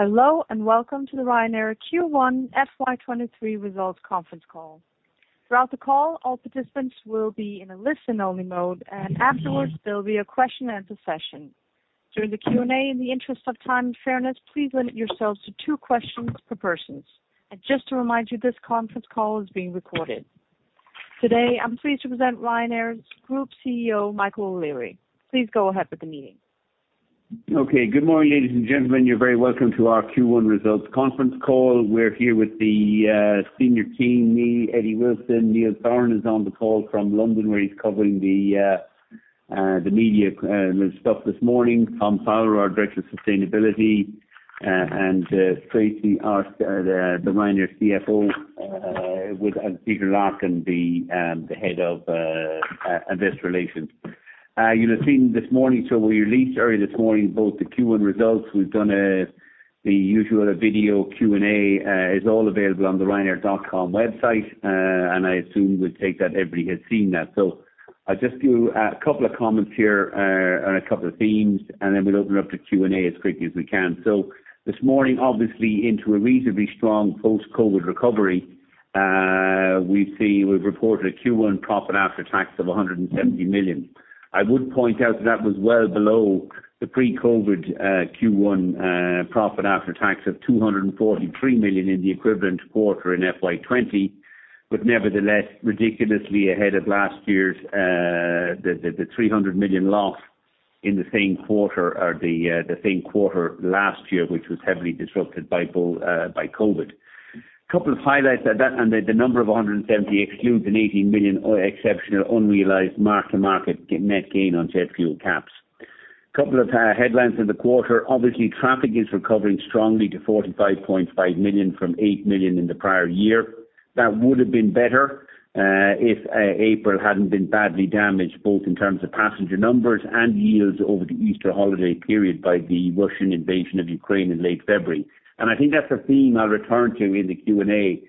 Hello, and welcome to the Ryanair Q1 FY23 results conference call. Throughout the call, all participants will be in a listen-only mode, and afterwards there'll be a question and answer session. During the Q&A, in the interest of time and fairness, please limit yourselves to two questions per person. Just to remind you, this conference call is being recorded. Today, I'm pleased to present Ryanair's Group CEO Michael O'Leary. Please go ahead with the meeting. Okay. Good morning, ladies and gentlemen. You're very welcome to our Q1 results conference call. We're here with the senior team, me, Eddie Wilson. Neil Sorahan is on the call from London, where he's covering the media stuff this morning. Tom Fowler, our Director of Sustainability, and Tracey McCann, the Ryanair CFO, and Peter Larkin, the Head of Investor Relations. You'll have seen this morning, so we released early this morning both the Q1 results. We've done the usual video Q&A is all available on the Ryanair.com website. I assume we'll take that everybody has seen that. I'll just do a couple of comments here on a couple of themes, and then we'll open it up to Q&A as quickly as we can. This morning, obviously into a reasonably strong post-COVID recovery, we see we've reported a Q1 profit after tax of 170 million. I would point out that was well below the pre-COVID Q1 profit after tax of 243 million in the equivalent quarter in FY 2020. But nevertheless ridiculously ahead of last year's the three hundred million loss in the same quarter or the same quarter last year, which was heavily disrupted by both by COVID. A couple of highlights that, and the number of 170 million excludes an 18 million exceptional unrealized mark-to-market net gain on jet fuel caps. Couple of headlines in the quarter. Obviously, traffic is recovering strongly to 45.5 million from 8 million in the prior year. That would have been better if April hadn't been badly damaged, both in terms of passenger numbers and yields over the Easter holiday period by the Russian invasion of Ukraine in late February. I think that's a theme I'll return to in the Q&A.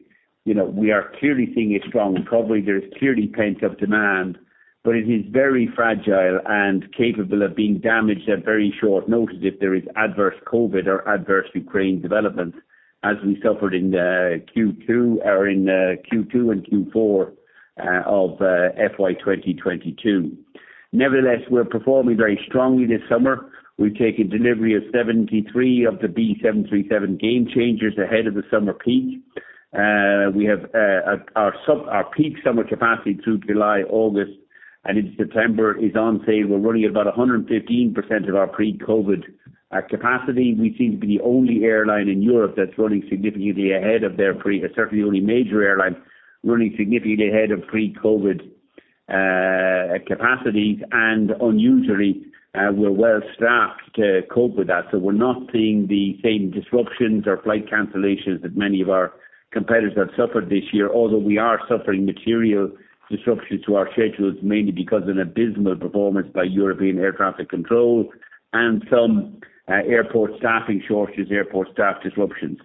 You know, we are clearly seeing a strong recovery. There's clearly pent-up demand, but it is very fragile and capable of being damaged at very short notice if there is adverse COVID or adverse Ukraine developments as we suffered in Q2 and Q4 of FY 2022. Nevertheless, we're performing very strongly this summer. We've taken delivery of 73 of the Boeing 737 Gamechangers ahead of the summer peak. We have our peak summer capacity through July, August, and into September is on sale. We're running about 115% of our pre-COVID capacity. We seem to be the only airline in Europe that's running significantly ahead of pre-COVID. Certainly, the only major airline running significantly ahead of pre-COVID capacities. Unusually, we're well staffed to cope with that. We're not seeing the same disruptions or flight cancellations that many of our competitors have suffered this year. Although we are suffering material disruptions to our schedules, mainly because of an abysmal performance by European air traffic control and some airport staffing shortages, airport staff disruptions.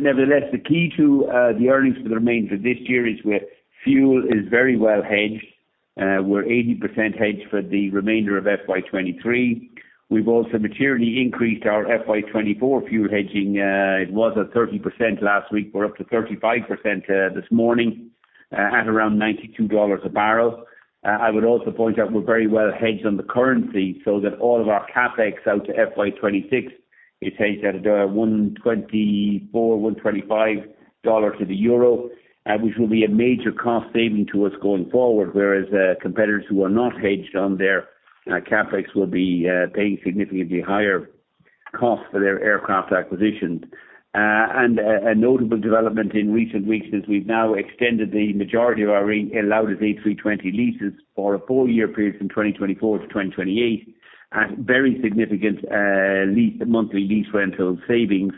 Nevertheless, the key to the earnings for the remainder of this year is where fuel is very well hedged. We're 80% hedged for the remainder of FY23. We've also materially increased our FY24 fuel hedging. It was at 30% last week. We're up to 35% this morning at around $92 a barrel. I would also point out we're very well hedged on the currency, so that all of our CapEx out to FY26 is hedged at 1.24-1.25 dollars to the euro, which will be a major cost saving to us going forward. Whereas, competitors who are not hedged on their CapEx will be paying significantly higher costs for their aircraft acquisitions. A notable development in recent weeks is we've now extended the majority of our leased A320 leases for a four-year period from 2024 to 2028 at very significant lease monthly lease rental savings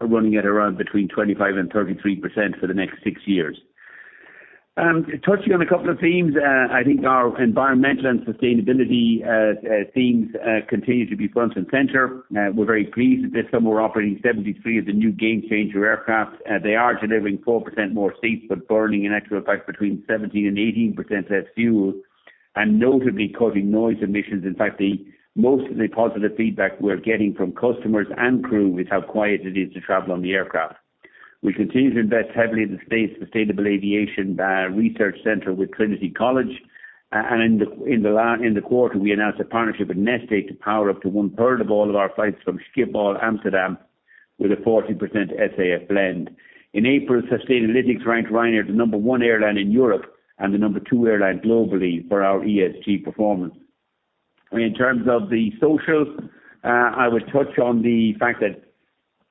running at around between 25%-33% for the next six years. Touching on a couple of themes. I think our environmental and sustainability themes continue to be front and center. We're very pleased that this summer we're operating 73 of the new Gamechanger aircraft. They are delivering 4% more seats, but burning in actual fact between 17%-18% less fuel and notably cutting noise emissions. In fact, the mostly positive feedback we're getting from customers and crew is how quiet it is to travel on the aircraft. We continue to invest heavily in the space sustainable aviation research center with Trinity College. In the quarter, we announced a partnership with Neste to power up to one-third of all of our flights from Schiphol, Amsterdam with a 40% SAF blend. In April, Sustainalytics ranked Ryanair the number one airline in Europe and the number two airline globally for our ESG performance. In terms of the social, I would touch on the fact that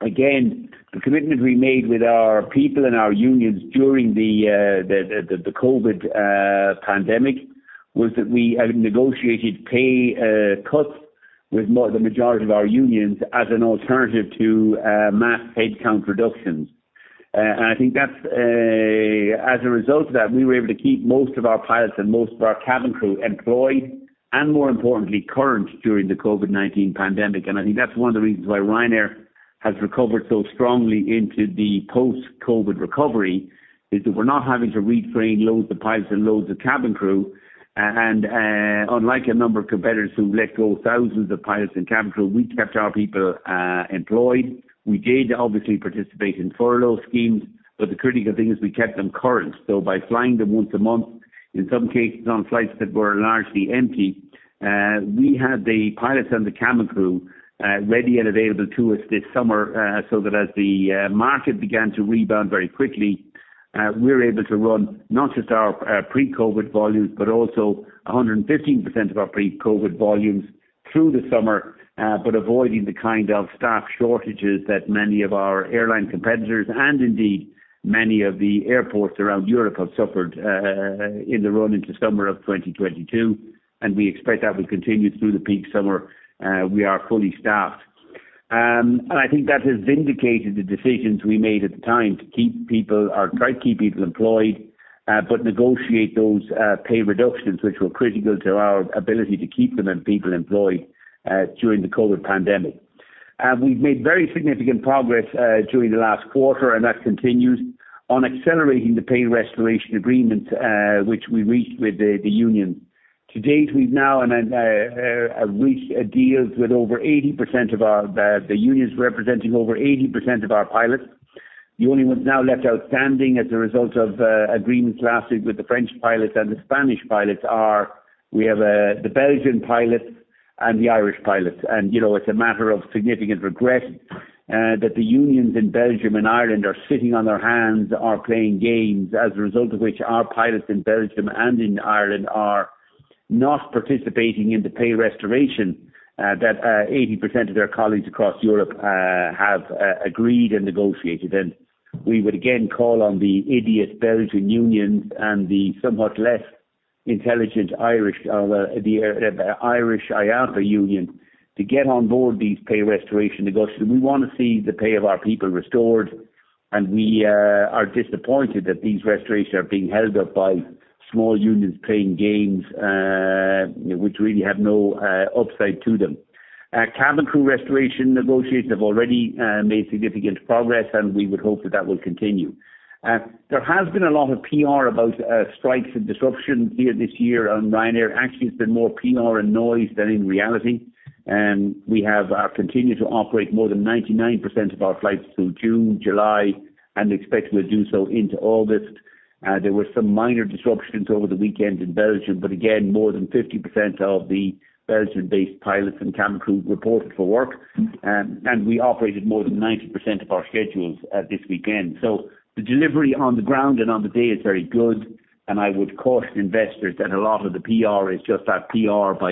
again, the commitment we made with our people and our unions during the COVID pandemic was that we had negotiated pay cuts with the majority of our unions as an alternative to mass headcount reductions. I think that's, as a result of that, we were able to keep most of our pilots and most of our cabin crew employed and more importantly, current during the COVID-19 pandemic. I think that's one of the reasons why Ryanair has recovered so strongly into the post-COVID recovery, is that we're not having to retrain loads of pilots and loads of cabin crew. Unlike a number of competitors who let go thousands of pilots and cabin crew, we kept our people employed. We did obviously participate in furlough schemes, but the critical thing is we kept them current. By flying them once a month, in some cases on flights that were largely empty, we had the pilots and the cabin crew ready and available to us this summer so that as the market began to rebound very quickly, we're able to run not just our pre-COVID volumes, but also 115% of our pre-COVID volumes through the summer but avoiding the kind of staff shortages that many of our airline competitors and indeed many of the airports around Europe have suffered in the run into summer of 2022. We expect that will continue through the peak summer. We are fully staffed. I think that has vindicated the decisions we made at the time to keep people or try to keep people employed, but negotiate those, pay reductions, which were critical to our ability to keep them and people employed, during the COVID pandemic. We've made very significant progress, during the last quarter, and that continues on accelerating the pay restoration agreement, which we reached with the union. To date, we've now reached deals with over 80% of our—the unions representing over 80% of our pilots. The only ones now left outstanding as a result of, agreements lasted with the French pilots and the Spanish pilots are we have, the Belgian pilots and the Irish pilots. You know, it's a matter of significant regret that the unions in Belgium and Ireland are sitting on their hands or playing games as a result of which our pilots in Belgium and in Ireland are not participating in the pay restoration that 80% of their colleagues across Europe have agreed and negotiated. We would again call on the idiot Belgian union and the somewhat less intelligent Irish or the Irish IALPA union to get on board these pay restoration negotiations. We want to see the pay of our people restored, and we are disappointed that these restorations are being held up by small unions playing games, which really have no upside to them. Cabin crew restoration negotiations have already made significant progress, and we would hope that that will continue. There has been a lot of PR about strikes and disruption here this year on Ryanair. Actually, it's been more PR and noise than in reality. We have continued to operate more than 99% of our flights through June, July, and expect we'll do so into August. There were some minor disruptions over the weekend in Belgium, but again, more than 50% of the Belgian-based pilots and cabin crew reported for work. We operated more than 90% of our schedules this weekend. The delivery on the ground and on the day is very good, and I would caution investors that a lot of the PR is just that PR by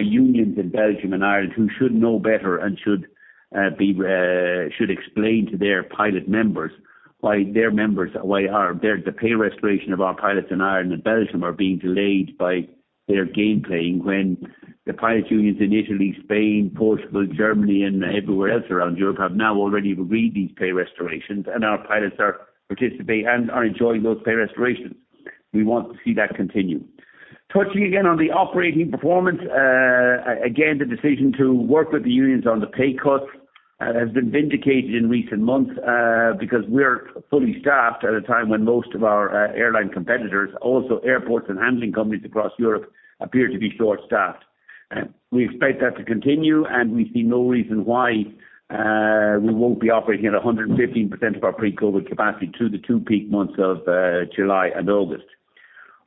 unions in Belgium and Ireland who should know better and should explain to their pilot members why the pay restoration of our pilots in Ireland and Belgium are being delayed by their game playing when the pilots unions in Italy, Spain, Portugal, Germany, and everywhere else around Europe have now already agreed these pay restorations. Our pilots are participating and are enjoying those pay restorations. We want to see that continue. Touching again on the operating performance. Again, the decision to work with the unions on the pay cuts has been vindicated in recent months because we're fully staffed at a time when most of our airline competitors, also airports and handling companies across Europe appear to be short-staffed. We expect that to continue, and we see no reason why we won't be operating at 115% of our pre-COVID capacity through the two peak months of July and August.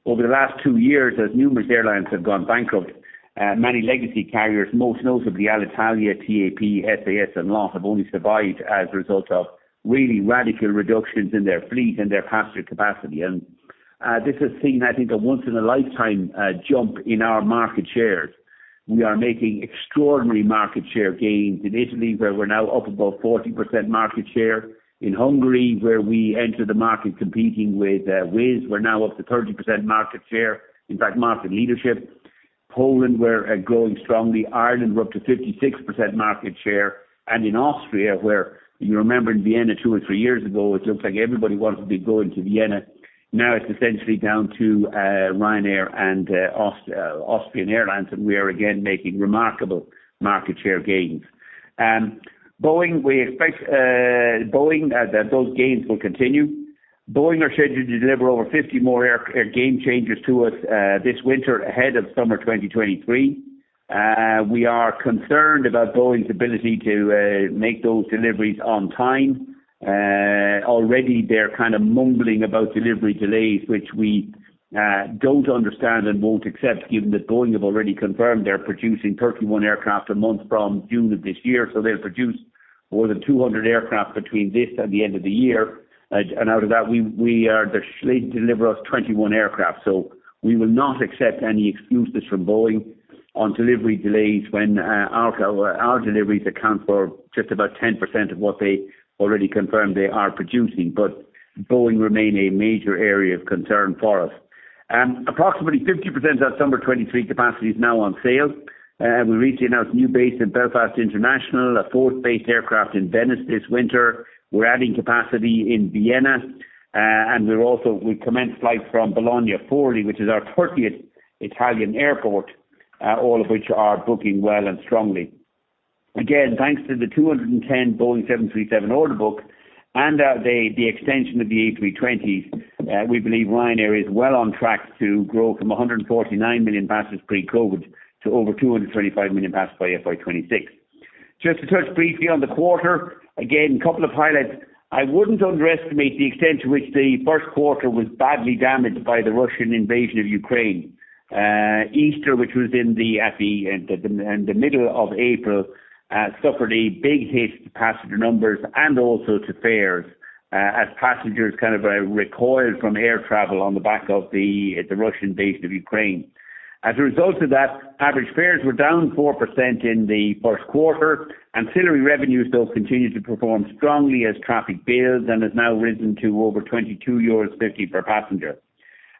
Over the last two years, as numerous airlines have gone bankrupt, many legacy carriers, most notably Alitalia, TAP, SAS, and LOT, have only survived as a result of really radical reductions in their fleet and their passenger capacity. This has seen, I think, a once in a lifetime jump in our market shares. We are making extraordinary market share gains in Italy, where we're now up above 40% market share. In Hungary, where we enter the market competing with Wizz Air, we're now up to 30% market share. In fact, market leadership. Poland, we're growing strongly. Ireland, we're up to 56% market share. In Austria, where you remember in Vienna two or three years ago, it looked like everybody wanted to be going to Vienna. Now it's essentially down to Ryanair and Austrian Airlines, and we are again making remarkable market share gains. Boeing, we expect that those gains will continue. Boeing are scheduled to deliver over 50 more Gamechangers to us this winter ahead of summer 2023. We are concerned about Boeing's ability to make those deliveries on time. Already they're kind of mumbling about delivery delays, which we don't understand and won't accept given that Boeing have already confirmed they're producing 31 aircraft a month from June of this year. They'll produce more than 200 aircraft between this and the end of the year. Out of that, they're scheduled to deliver us 21 aircraft. We will not accept any excuses from Boeing on delivery delays when our deliveries account for just about 10% of what they already confirmed they are producing. Boeing remain a major area of concern for us. Approximately 50% of that summer 2023 capacity is now on sale. We recently announced a new base in Belfast International, a fourth base aircraft in Venice this winter. We're adding capacity in Vienna. We commenced flights from Bologna-Forlì, which is our 30th Italian airport, all of which are booking well and strongly. Again, thanks to the 210 Boeing 737 order book and the extension of the A320s, we believe Ryanair is well on track to grow from 149 million passengers pre-COVID to over 225 million passengers by FY26. Just to touch briefly on the quarter, again, a couple of highlights. I wouldn't underestimate the extent to which the first quarter was badly damaged by the Russian invasion of Ukraine. Easter, which was in the middle of April, suffered a big hit to passenger numbers and also to fares, as passengers kind of recoiled from air travel on the back of the Russian invasion of Ukraine. As a result of that, average fares were down 4% in the first quarter. Ancillary revenues, though, continued to perform strongly as traffic builds and has now risen to over EUR 22.50 per passenger.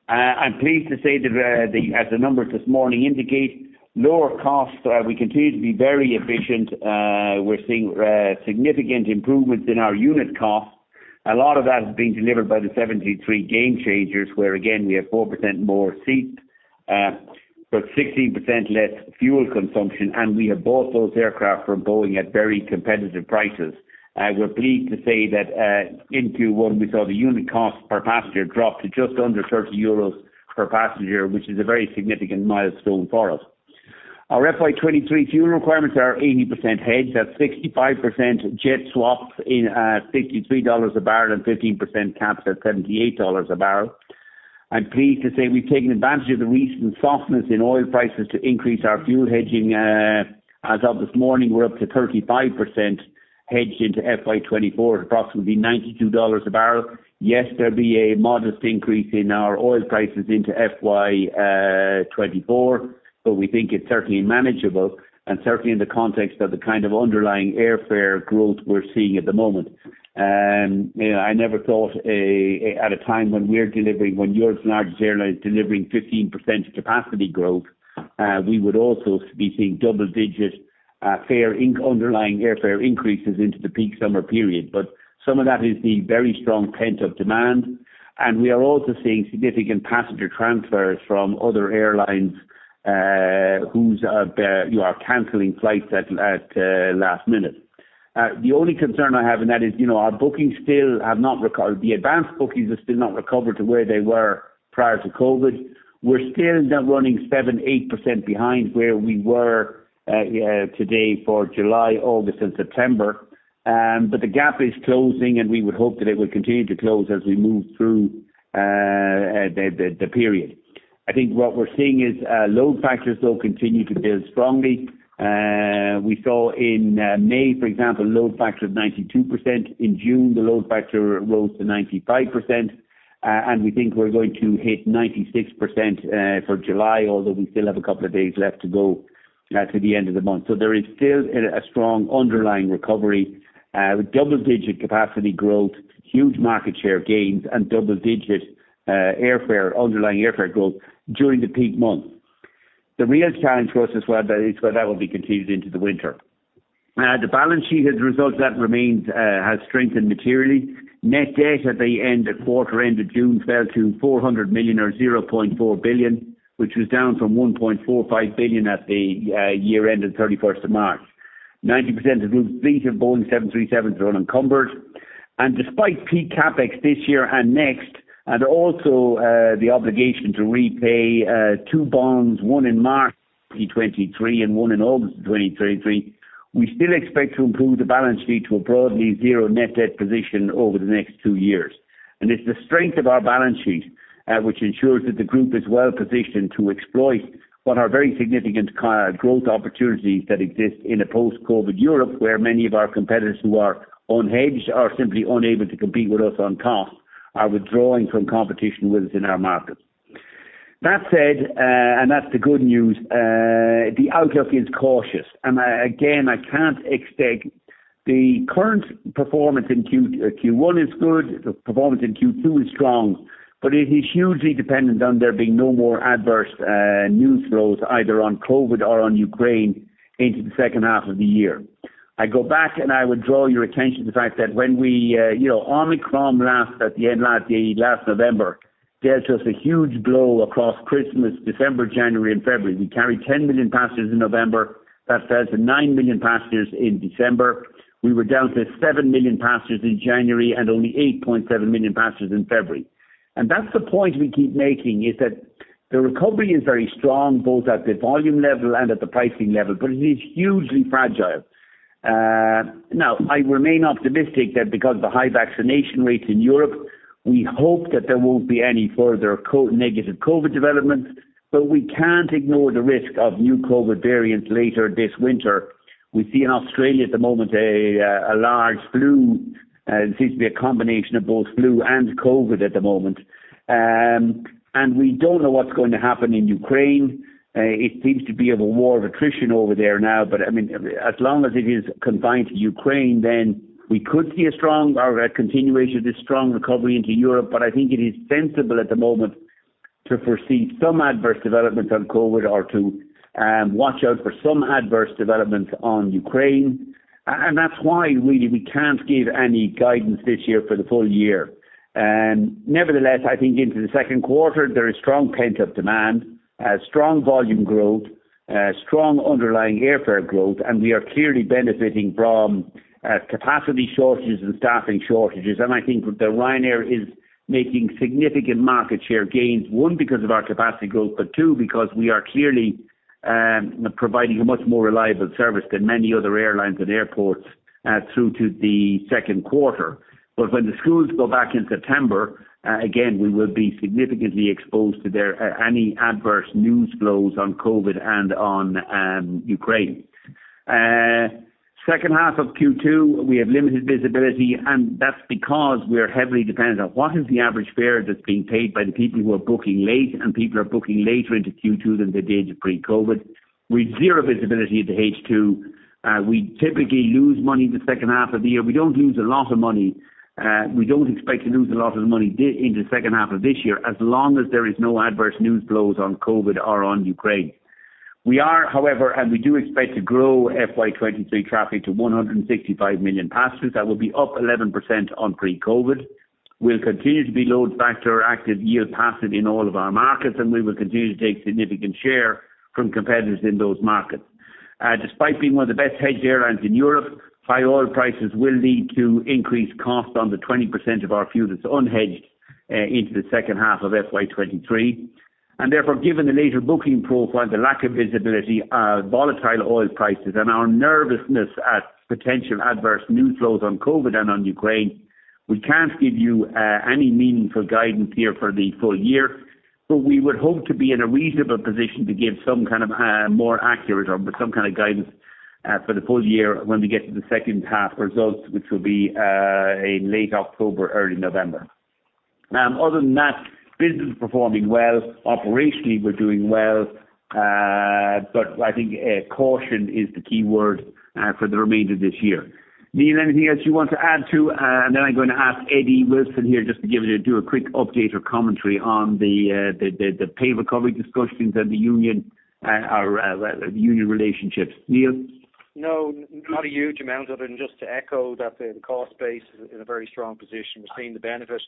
I'm pleased to say that, as the numbers this morning indicate, lower costs, we continue to be very efficient. We're seeing significant improvements in our unit costs. A lot of that has been delivered by the 73 Gamechangers, where again, we have 4% more seats, but 16% less fuel consumption, and we have bought those aircraft from Boeing at very competitive prices. We're pleased to say that, in Q1 we saw the unit cost per passenger drop to just under 30 euros per passenger, which is a very significant milestone for us. Our FY23 fuel requirements are 80% hedged at 65% jet swaps in, $53 a barrel and 15% caps at $78 a barrel. I'm pleased to say we've taken advantage of the recent softness in oil prices to increase our fuel hedging. As of this morning, we're up to 35% hedged into FY24 at approximately $92 a barrel. Yes, there'll be a modest increase in our oil prices into FY24, but we think it's certainly manageable and certainly in the context of the kind of underlying airfare growth we're seeing at the moment. I never thought at a time when Europe's largest airline is delivering 15% capacity growth, we would also be seeing double-digit underlying airfare increases into the peak summer period. Some of that is the very strong pent-up demand, and we are also seeing significant passenger transfers from other airlines who are canceling flights at last minute. The only concern I have in that is, you know, our bookings still have not recovered. The advanced bookings are still not recovered to where they were prior to COVID. We're still running 7%-8% behind where we were today for July, August and September. The gap is closing, and we would hope that it will continue to close as we move through the period. I think what we're seeing is load factors, though, continue to build strongly. We saw in May, for example, load factor of 92%. In June, the load factor rose to 95%. We think we're going to hit 96% for July, although we still have a couple of days left to go to the end of the month. There is still a strong underlying recovery with double-digit capacity growth, huge market share gains and double-digit underlying airfare growth during the peak months. The real challenge for us is whether that will be continued into the winter. The balance sheet as a result of that has strengthened materially. Net debt at the end of the quarter, end of June, fell to 400 million or 0.4 billion, which was down from 1.45 billion at the year-end of the thirty-first of March. 90% of group's fleet of Boeing 737s are unencumbered. Despite peak CapEx this year and next, and also the obligation to repay two bonds, one in March 2023 and one in August 2023, we still expect to improve the balance sheet to a broadly zero net debt position over the next two years. It's the strength of our balance sheet, which ensures that the group is well positioned to exploit what are very significant growth opportunities that exist in a post-COVID Europe, where many of our competitors who are unhedged are simply unable to compete with us on cost, are withdrawing from competition with us in our markets. That said, and that's the good news. The outlook is cautious. I, again, can't expect the current performance in Q1 is good, the performance in Q2 is strong, but it is hugely dependent on there being no more adverse news flows either on COVID or on Ukraine into the second half of the year. I go back and I would draw your attention to the fact that when we, you know, Omicron last November dealt us a huge blow across Christmas, December, January and February. We carried 10 million passengers in November. That fell to 9 million passengers in December. We were down to 7 million passengers in January and only 8.7 million passengers in February. That's the point we keep making, is that the recovery is very strong, both at the volume level and at the pricing level, but it is hugely fragile. Now, I remain optimistic that because of the high vaccination rates in Europe, we hope that there won't be any further negative COVID developments, but we can't ignore the risk of new COVID variants later this winter. We see in Australia at the moment a large flu. It seems to be a combination of both flu and COVID at the moment. We don't know what's going to happen in Ukraine. It seems to be a war of attrition over there now. I mean, as long as it is confined to Ukraine, then we could see a strong or a continuation of this strong recovery into Europe. I think it is sensible at the moment to foresee some adverse developments on COVID or to watch out for some adverse developments on Ukraine. That's why really we can't give any guidance this year for the full year. Nevertheless, I think into the second quarter there is strong pent-up demand, strong volume growth, strong underlying airfare growth, and we are clearly benefiting from capacity shortages and staffing shortages. I think that Ryanair is making significant market share gains. One, because of our capacity growth, but two, because we are clearly providing a much more reliable service than many other airlines and airports through to the second quarter. When the schools go back in September, again, we will be significantly exposed to any adverse news flows on COVID and on Ukraine. Second half of Q2, we have limited visibility, and that's because we're heavily dependent on what is the average fare that's being paid by the people who are booking late, and people are booking later into Q2 than the days of pre-COVID. We've zero visibility into H2. We typically lose money in the second half of the year. We don't lose a lot of money. We don't expect to lose a lot of money into second half of this year, as long as there is no adverse news flows on COVID or on Ukraine. We are, however, and we do expect to grow FY23 traffic to 165 million passengers. That will be up 11% on pre-COVID. We'll continue to be load factor active yield passive in all of our markets, and we will continue to take significant share from competitors in those markets. Despite being one of the best hedged airlines in Europe, high oil prices will lead to increased costs on the 20% of our fuel that's unhedged, into the second half of FY23. Therefore, given the later booking profile, the lack of visibility, volatile oil prices, and our nervousness at potential adverse news flows on COVID and on Ukraine, we can't give you any meaningful guidance here for the full year. We would hope to be in a reasonable position to give some kind of more accurate or some kind of guidance for the full year when we get to the second half results, which will be in late October, early November. Other than that, business is performing well. Operationally, we're doing well. I think caution is the key word for the remainder of this year. Neil, anything else you want to add to and then I'm gonna ask Eddie Wilson here just to give you a quick update or commentary on the pay recovery discussions and the union, our union relationships. Neil? No, not a huge amount other than just to echo that the cost base is in a very strong position. We're seeing the benefit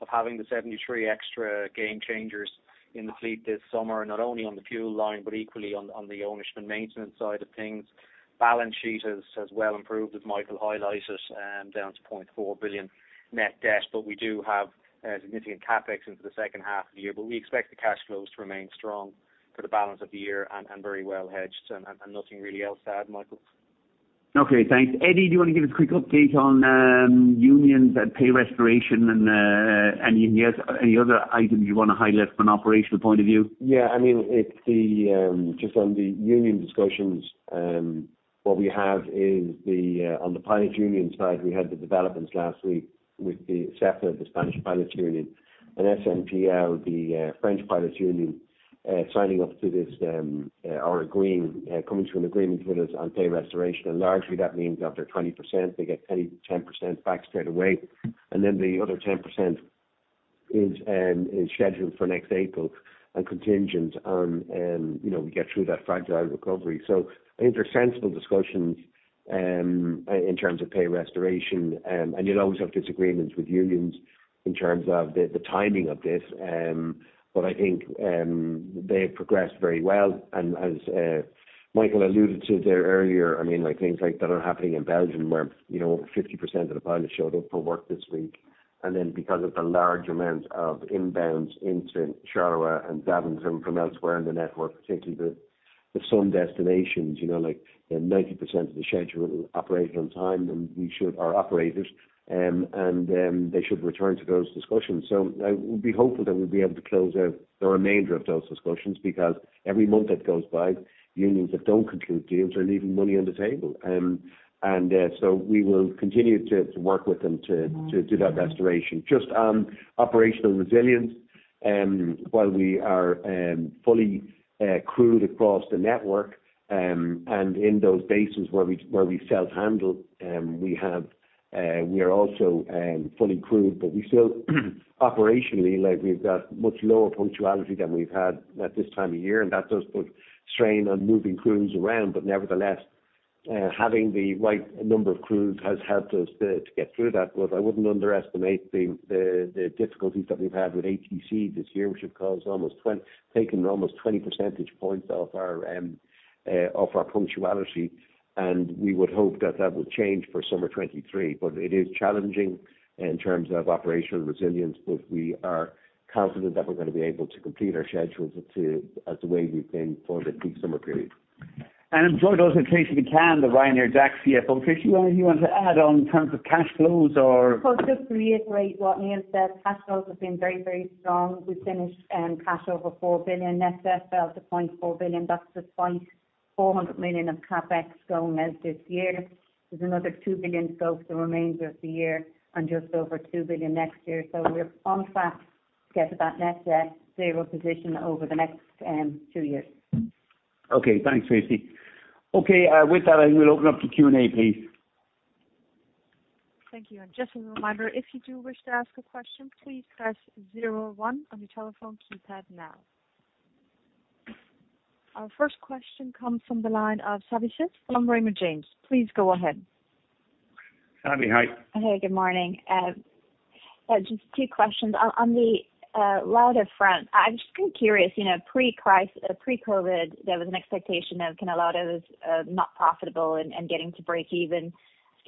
of having the 73 extra Gamechangers in the fleet this summer, not only on the fuel line, but equally on the ownership and maintenance side of things. Balance sheet has well improved, as Michael highlighted, down to 0.4 billion net debt. We do have significant CapEx into the second half of the year. We expect the cash flows to remain strong for the balance of the year and very well hedged. Nothing really else to add, Michael. Okay, thanks. Eddie, do you wanna give us a quick update on unions and pay restoration and any other items you wanna highlight from an operational point of view? Yeah, I mean, it's just on the union discussions. What we have is on the pilots union side, we had the developments last week with the SEPLA, the Spanish pilots union, and SNPL, the French pilots union, coming to an agreement with us on pay restoration. Largely that means of their 20%, they get 10% back straight away. Then the other 10% is scheduled for next April and contingent on, you know, we get through that fragile recovery. I think they're sensible discussions in terms of pay restoration. You'll always have disagreements with unions in terms of the timing of this. But I think they have progressed very well. As Michael alluded to there earlier, I mean, like things like that are happening in Belgium, where, you know, over 50% of the pilots showed up for work this week. Because of the large amount of inbounds into Charleroi and Zaventem from elsewhere in the network, particularly the sun destinations, you know, like 90% of the schedule operated on time and we are operators. They should return to those discussions. We'll be hopeful that we'll be able to close out the remainder of those discussions because every month that goes by unions that don't conclude deals are leaving money on the table. We will continue to work with them to do that restoration. Just on operational resilience, while we are fully crewed across the network, and in those bases where we self-handle, we are also fully crewed. We still operationally, like we've got much lower punctuality than we've had at this time of year, and that does put strain on moving crews around. Nevertheless, having the right number of crews has helped us to get through that. I wouldn't underestimate the difficulties that we've had with ATC this year, which have taken almost 20 percentage points off our punctuality. We would hope that that will change for summer 2023. It is challenging in terms of operational resilience. We are confident that we're gonna be able to complete our schedules too, as the way we've been for the peak summer period. I'm sure those are Tracey McCann, the Ryanair DAC CFO. Tracey, anything you want to add on in terms of cash flows or- Well, just to reiterate what Neil said, cash flows have been very, very strong. We finished cash over 4 billion. Net debt fell to 0.4 billion. That's despite 400 million of CapEx going out this year. There's another 2 billion of CapEx for the remainder of the year and just over 2 billion next year. We're on track to get to that net zero position over the next two years. Okay, thanks, Tracy. Okay, with that, I will open up to Q&A, please. Thank you. Just as a reminder, if you do wish to ask a question, please press zero one on your telephone keypad now. Our first question comes from the line of Savanthi Syth from Raymond James. Please go ahead. Savi, hi. Hey, good morning. Just two questions. On the Lauda front. I'm just kind of curious, you know, pre-COVID, there was an expectation that kind of Lauda's not profitable and getting to break even.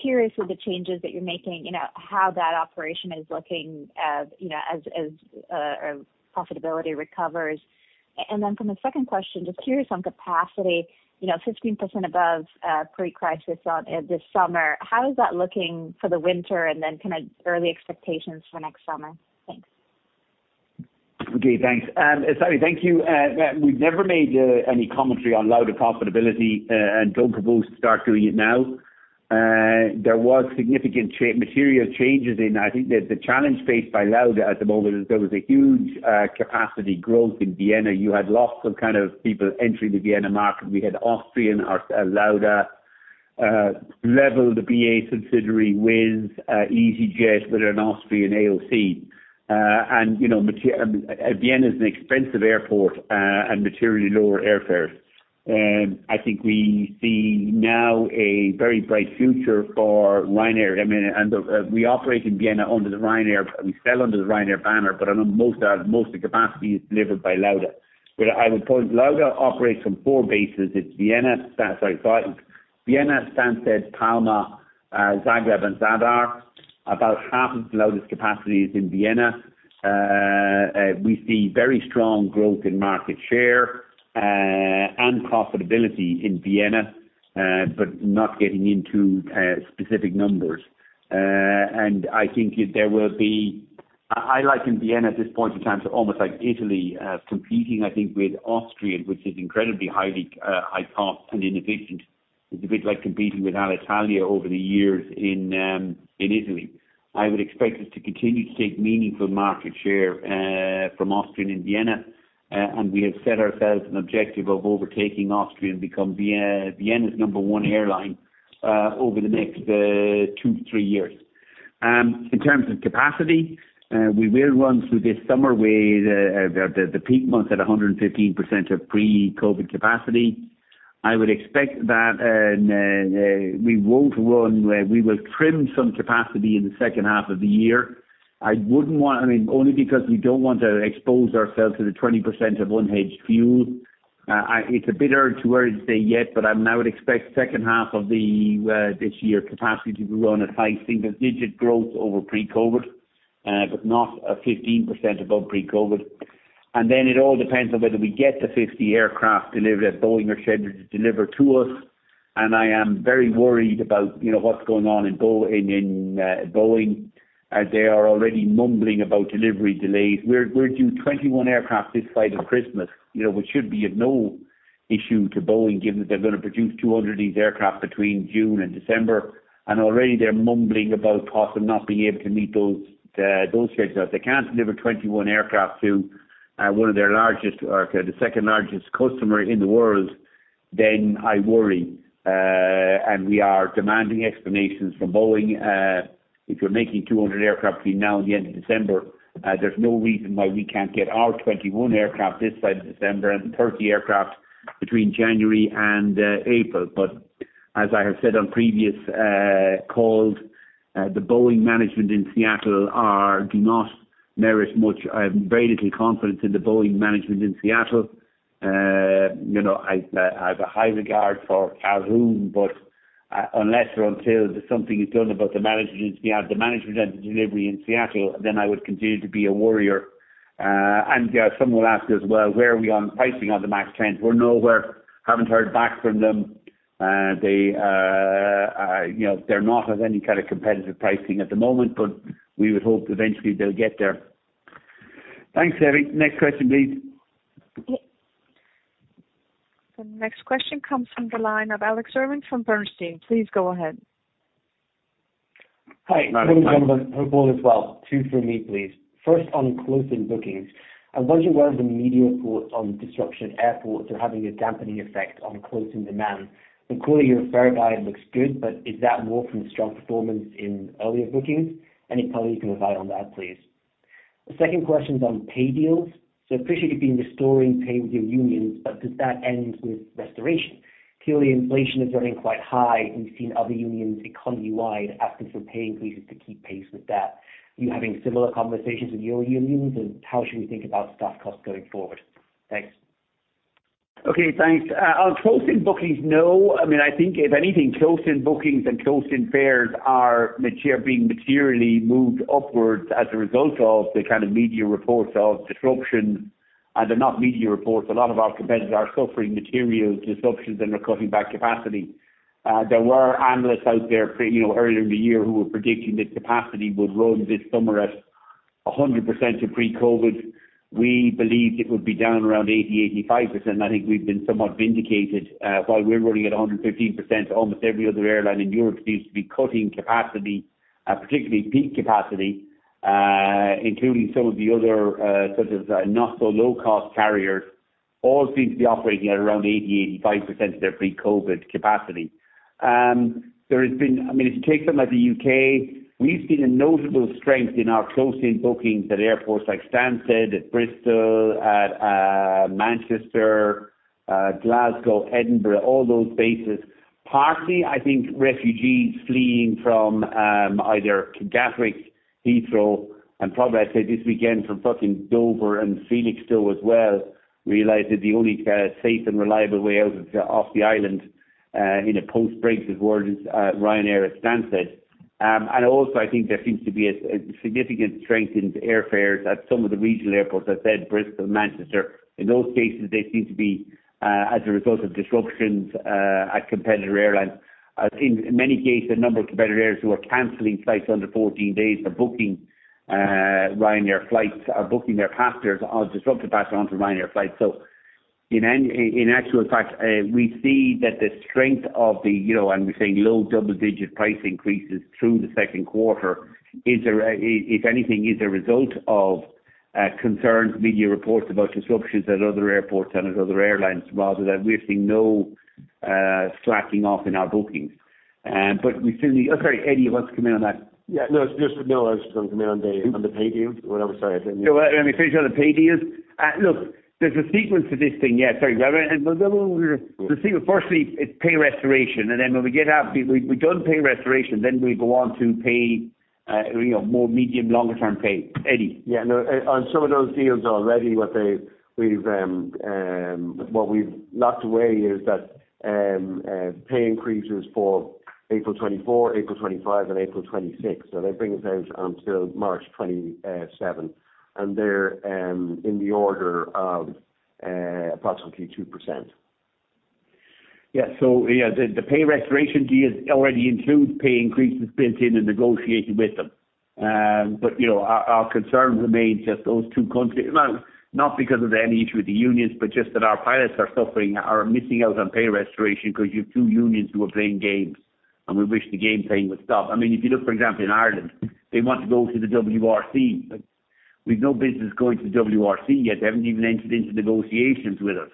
Curious with the changes that you're making, you know, how that operation is looking, you know, as profitability recovers. From the second question, just curious on capacity, you know, 15% above pre-crisis on this summer. How is that looking for the winter and then kind of early expectations for next summer? Thanks. Okay, thanks. Savi, thank you. We've never made any commentary on Lauda profitability and don't propose to start doing it now. There was significant material changes in. I think the challenge faced by Lauda at the moment is there was a huge capacity growth in Vienna. You had lots of kind of people entering the Vienna market. We had Austrian Airlines, Lauda, LEVEL the BA subsidiary with easyJet with an Austrian AOC. You know, Vienna is an expensive airport and materially lower airfares. I think we see now a very bright future for Ryanair. I mean, we operate in Vienna under Ryanair. We sell under the Ryanair banner, but most of the capacity is delivered by Lauda. I would point, Lauda operates from 4 bases. It's Vienna. Sorry. Vienna, Stansted, Palma, Zagreb and Zadar. About half of Lauda's capacity is in Vienna. We see very strong growth in market share and profitability in Vienna, but not getting into specific numbers. I think there will be highlight in Vienna at this point in time, so almost like Italy, competing, I think, with Austrian, which is incredibly high-cost and inefficient. It's a bit like competing with Alitalia over the years in Italy. I would expect us to continue to take meaningful market share from Austrian and Vienna. We have set ourselves an objective of overtaking Austrian, become Vienna's number one airline, over the next 2, 3 years. In terms of capacity, we will run through this summer with the peak months at 115% of pre-COVID capacity. I would expect that we will trim some capacity in the second half of the year. I mean, only because we don't want to expose ourselves to the 20% of unhedged fuel. It's a bit early to say yet, but I would expect second half of this year capacity to run at, I think, single-digit growth over pre-COVID, but not 15% above pre-COVID. It all depends on whether we get the 50 aircraft delivered at Boeing or scheduled to deliver to us. I am very worried about, you know, what's going on in Boeing, as they are already mumbling about delivery delays. We're due 21 aircraft this side of Christmas, you know, which should be of no issue to Boeing, given that they're gonna produce 200 of these aircraft between June and December. Already they're mumbling about possibly not being able to meet those schedules. They can't deliver 21 aircraft to one of their largest or the second largest customer in the world, then I worry. We are demanding explanations from Boeing. If you're making 200 aircraft between now and the end of December, there's no reason why we can't get our 21 aircraft this side of December and 30 aircraft between January and April. As I have said on previous calls, the Boeing management in Seattle do not merit much, very little confidence in the Boeing management in Seattle. You know, I have a high regard for Calhoun, but unless or until something is done about the management in Seattle, the management and the delivery in Seattle, then I would continue to be a worrier. Yeah, some will ask as well, where are we on pricing on the MAX 10s? We're nowhere. Haven't heard back from them. They, you know, they're not of any kind of competitive pricing at the moment, but we would hope eventually they'll get there. Thanks, Savi. Next question, please. The next question comes from the line of Alex Irving from Bernstein. Please go ahead. Morning. Hi. Morning, gentlemen. Hope all is well. Two for me, please. First on closing bookings. I wonder where the media reports on disruption airports are having a dampening effect on closing demand. The quarter you referred to looks good, but is that more from strong performance in earlier bookings? Any color you can provide on that, please. The second question is on pay deals. Appreciate you've been restoring pay with your unions, but does that end with restoration? Clearly, inflation is running quite high. We've seen other unions economy-wide asking for pay increases to keep pace with that. Are you having similar conversations with your unions? And how should we think about staff costs going forward? Thanks. Okay, thanks. On closing bookings, no. I mean, I think if anything, closing bookings and closing fares are being materially moved upwards as a result of the kind of media reports of disruption. They're not media reports. A lot of our competitors are suffering material disruptions, and they're cutting back capacity. There were analysts out there, you know, earlier in the year who were predicting that capacity would run this summer at 100% of pre-COVID. We believed it would be down around 80, 85%. I think we've been somewhat vindicated. While we're running at 115%, almost every other airline in Europe seems to be cutting capacity, particularly peak capacity, including some of the other, such as, not so low-cost carriers. All seem to be operating at around 80, 85% of their pre-COVID capacity. I mean, if you take something like the UK, we've seen a notable strength in our close-in bookings at airports like Stansted, at Bristol, at Manchester, Glasgow, Edinburgh, all those bases. Partly, I think refugees fleeing from either Gatwick, Heathrow, and probably I'd say this weekend from Dover and Felixstowe as well realized that the only safe and reliable way off the island in a post-Brexit world is Ryanair or Stansted. Also I think there seems to be a significant strength into airfares at some of the regional airports. I said Bristol, Manchester. In those cases, they seem to be as a result of disruptions at competitor airlines. In many cases, a number of competitor airlines who are canceling flights under 14 days are booking Ryanair flights or booking their passengers or disrupted passengers onto Ryanair flights. In actual fact, we see that the strength of, you know, and we're seeing low double-digit price increases through the second quarter is, if anything, a result of concerns, media reports about disruptions at other airports and at other airlines rather than. We're seeing no slacking off in our bookings. Sorry, Eddie, you want to come in on that? Yeah. No, just, no, I was gonna come in on the pay deal. Whatever. Sorry, I didn't hear. You want me to finish on the pay deals? Look, there's a sequence to this thing. Yeah, sorry. Sure. Firstly, it's pay restoration, and then when we get out, we've done pay restoration, then we go on to pay, you know, more medium, longer term pay. Eddie. Yeah. No, on some of those deals already what we've locked away is that pay increases for April 2024, April 2025 and April 2026. They bring us out until March 2027. They're in the order of approximately 2%. Yeah. Yeah, the pay restoration deals already include pay increases built in and negotiated with them. You know, our concerns remain just those two countries. Well, not because of any issue with the unions, but just that our pilots are suffering, are missing out on pay restoration because you've two unions who are playing games, and we wish the game playing would stop. I mean, if you look, for example, in Ireland, they want to go to the WRC, but we've no business going to the WRC yet. They haven't even entered into negotiations with us.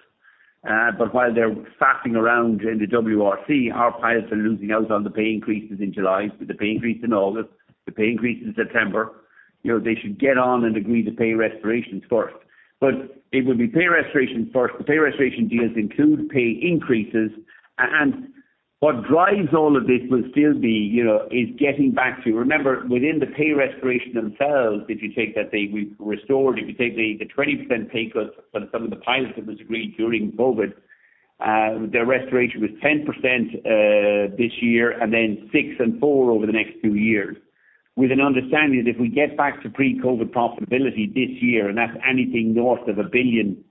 While they're faffing around in the WRC, our pilots are losing out on the pay increases in July, with the pay increase in August, the pay increase in September. You know, they should get on and agree to pay restorations first. It will be pay restoration first. The pay restoration deals include pay increases. What drives all of this will still be is getting back to. Remember, within the pay restoration themselves, if you take that we've restored, if you take the 20% pay cut for some of the pilots that was agreed during COVID, their restoration was 10% this year and then 6% and 4% over the next two years with an understanding that if we get back to pre-COVID profitability this year, and that's anything north of 1 billion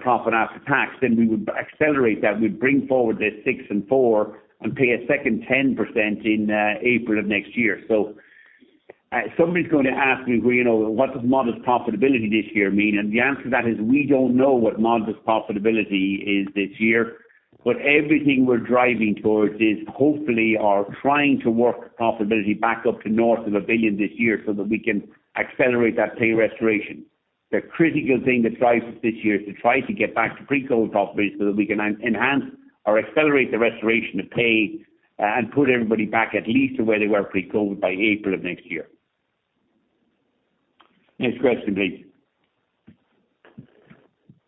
profit after tax, then we would accelerate that. We'd bring forward the 6% and 4% and pay a second 10% in April of next year. Somebody's gonna ask me, what does modest profitability this year mean? The answer to that is we don't know what modest profitability is this year. Everything we're driving towards is hopefully or trying to work profitability back up to north of 1 billion this year so that we can accelerate that pay restoration. The critical thing that drives us this year is to try to get back to pre-COVID profitability so that we can enhance or accelerate the restoration of pay, and put everybody back at least to where they were pre-COVID by April of next year. Next question, please.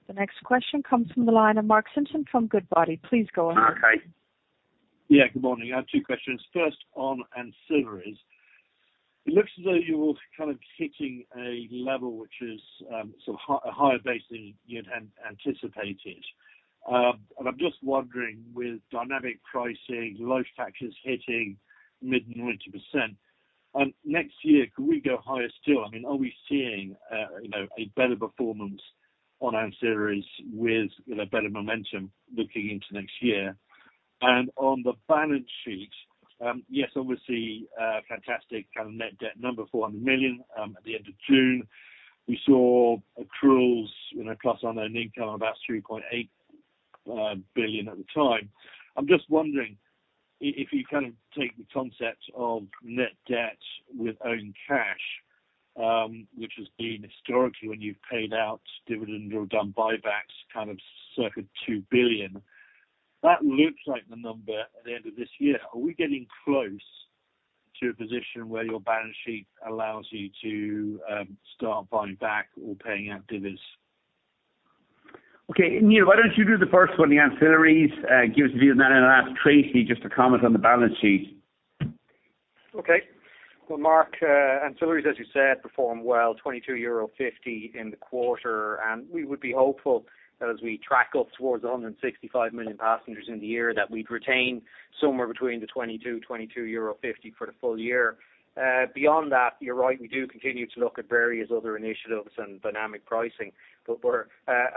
The next question comes from the line of Mark Simpson from Goodbody. Please go ahead. Mark. Yeah, good morning. I have two questions. First on ancillaries. It looks as though you're kind of hitting a level which is, sort of higher base than you'd anticipated. I'm just wondering with dynamic pricing, load factors hitting mid-90%, next year, could we go higher still? I mean, are we seeing, you know, a better performance on ancillaries with, you know, better momentum looking into next year? On the balance sheet, yes, obviously, fantastic kind of net debt number, 400 million, at the end of June. We saw accruals, you know, plus unearned income of about 3.8 billion at the time. I'm just wondering if you kind of take the concept of net debt with own cash, which has been historically when you've paid out dividends or done buybacks kind of circa 2 billion, that looks like the number at the end of this year. Are we getting close to a position where your balance sheet allows you to start buying back or paying out divs? Okay. Neil, why don't you do the first one, the ancillaries, give us a view, and then I'll ask Tracy just to comment on the balance sheet. Okay. Well, Mark, ancillaries, as you said, performed well, 22.50 euro in the quarter. We would be hopeful that as we track up towards the 165 million passengers in the year, that we'd retain somewhere between 22-22.50 euro for the full year. Beyond that, you're right, we do continue to look at various other initiatives and dynamic pricing, but we're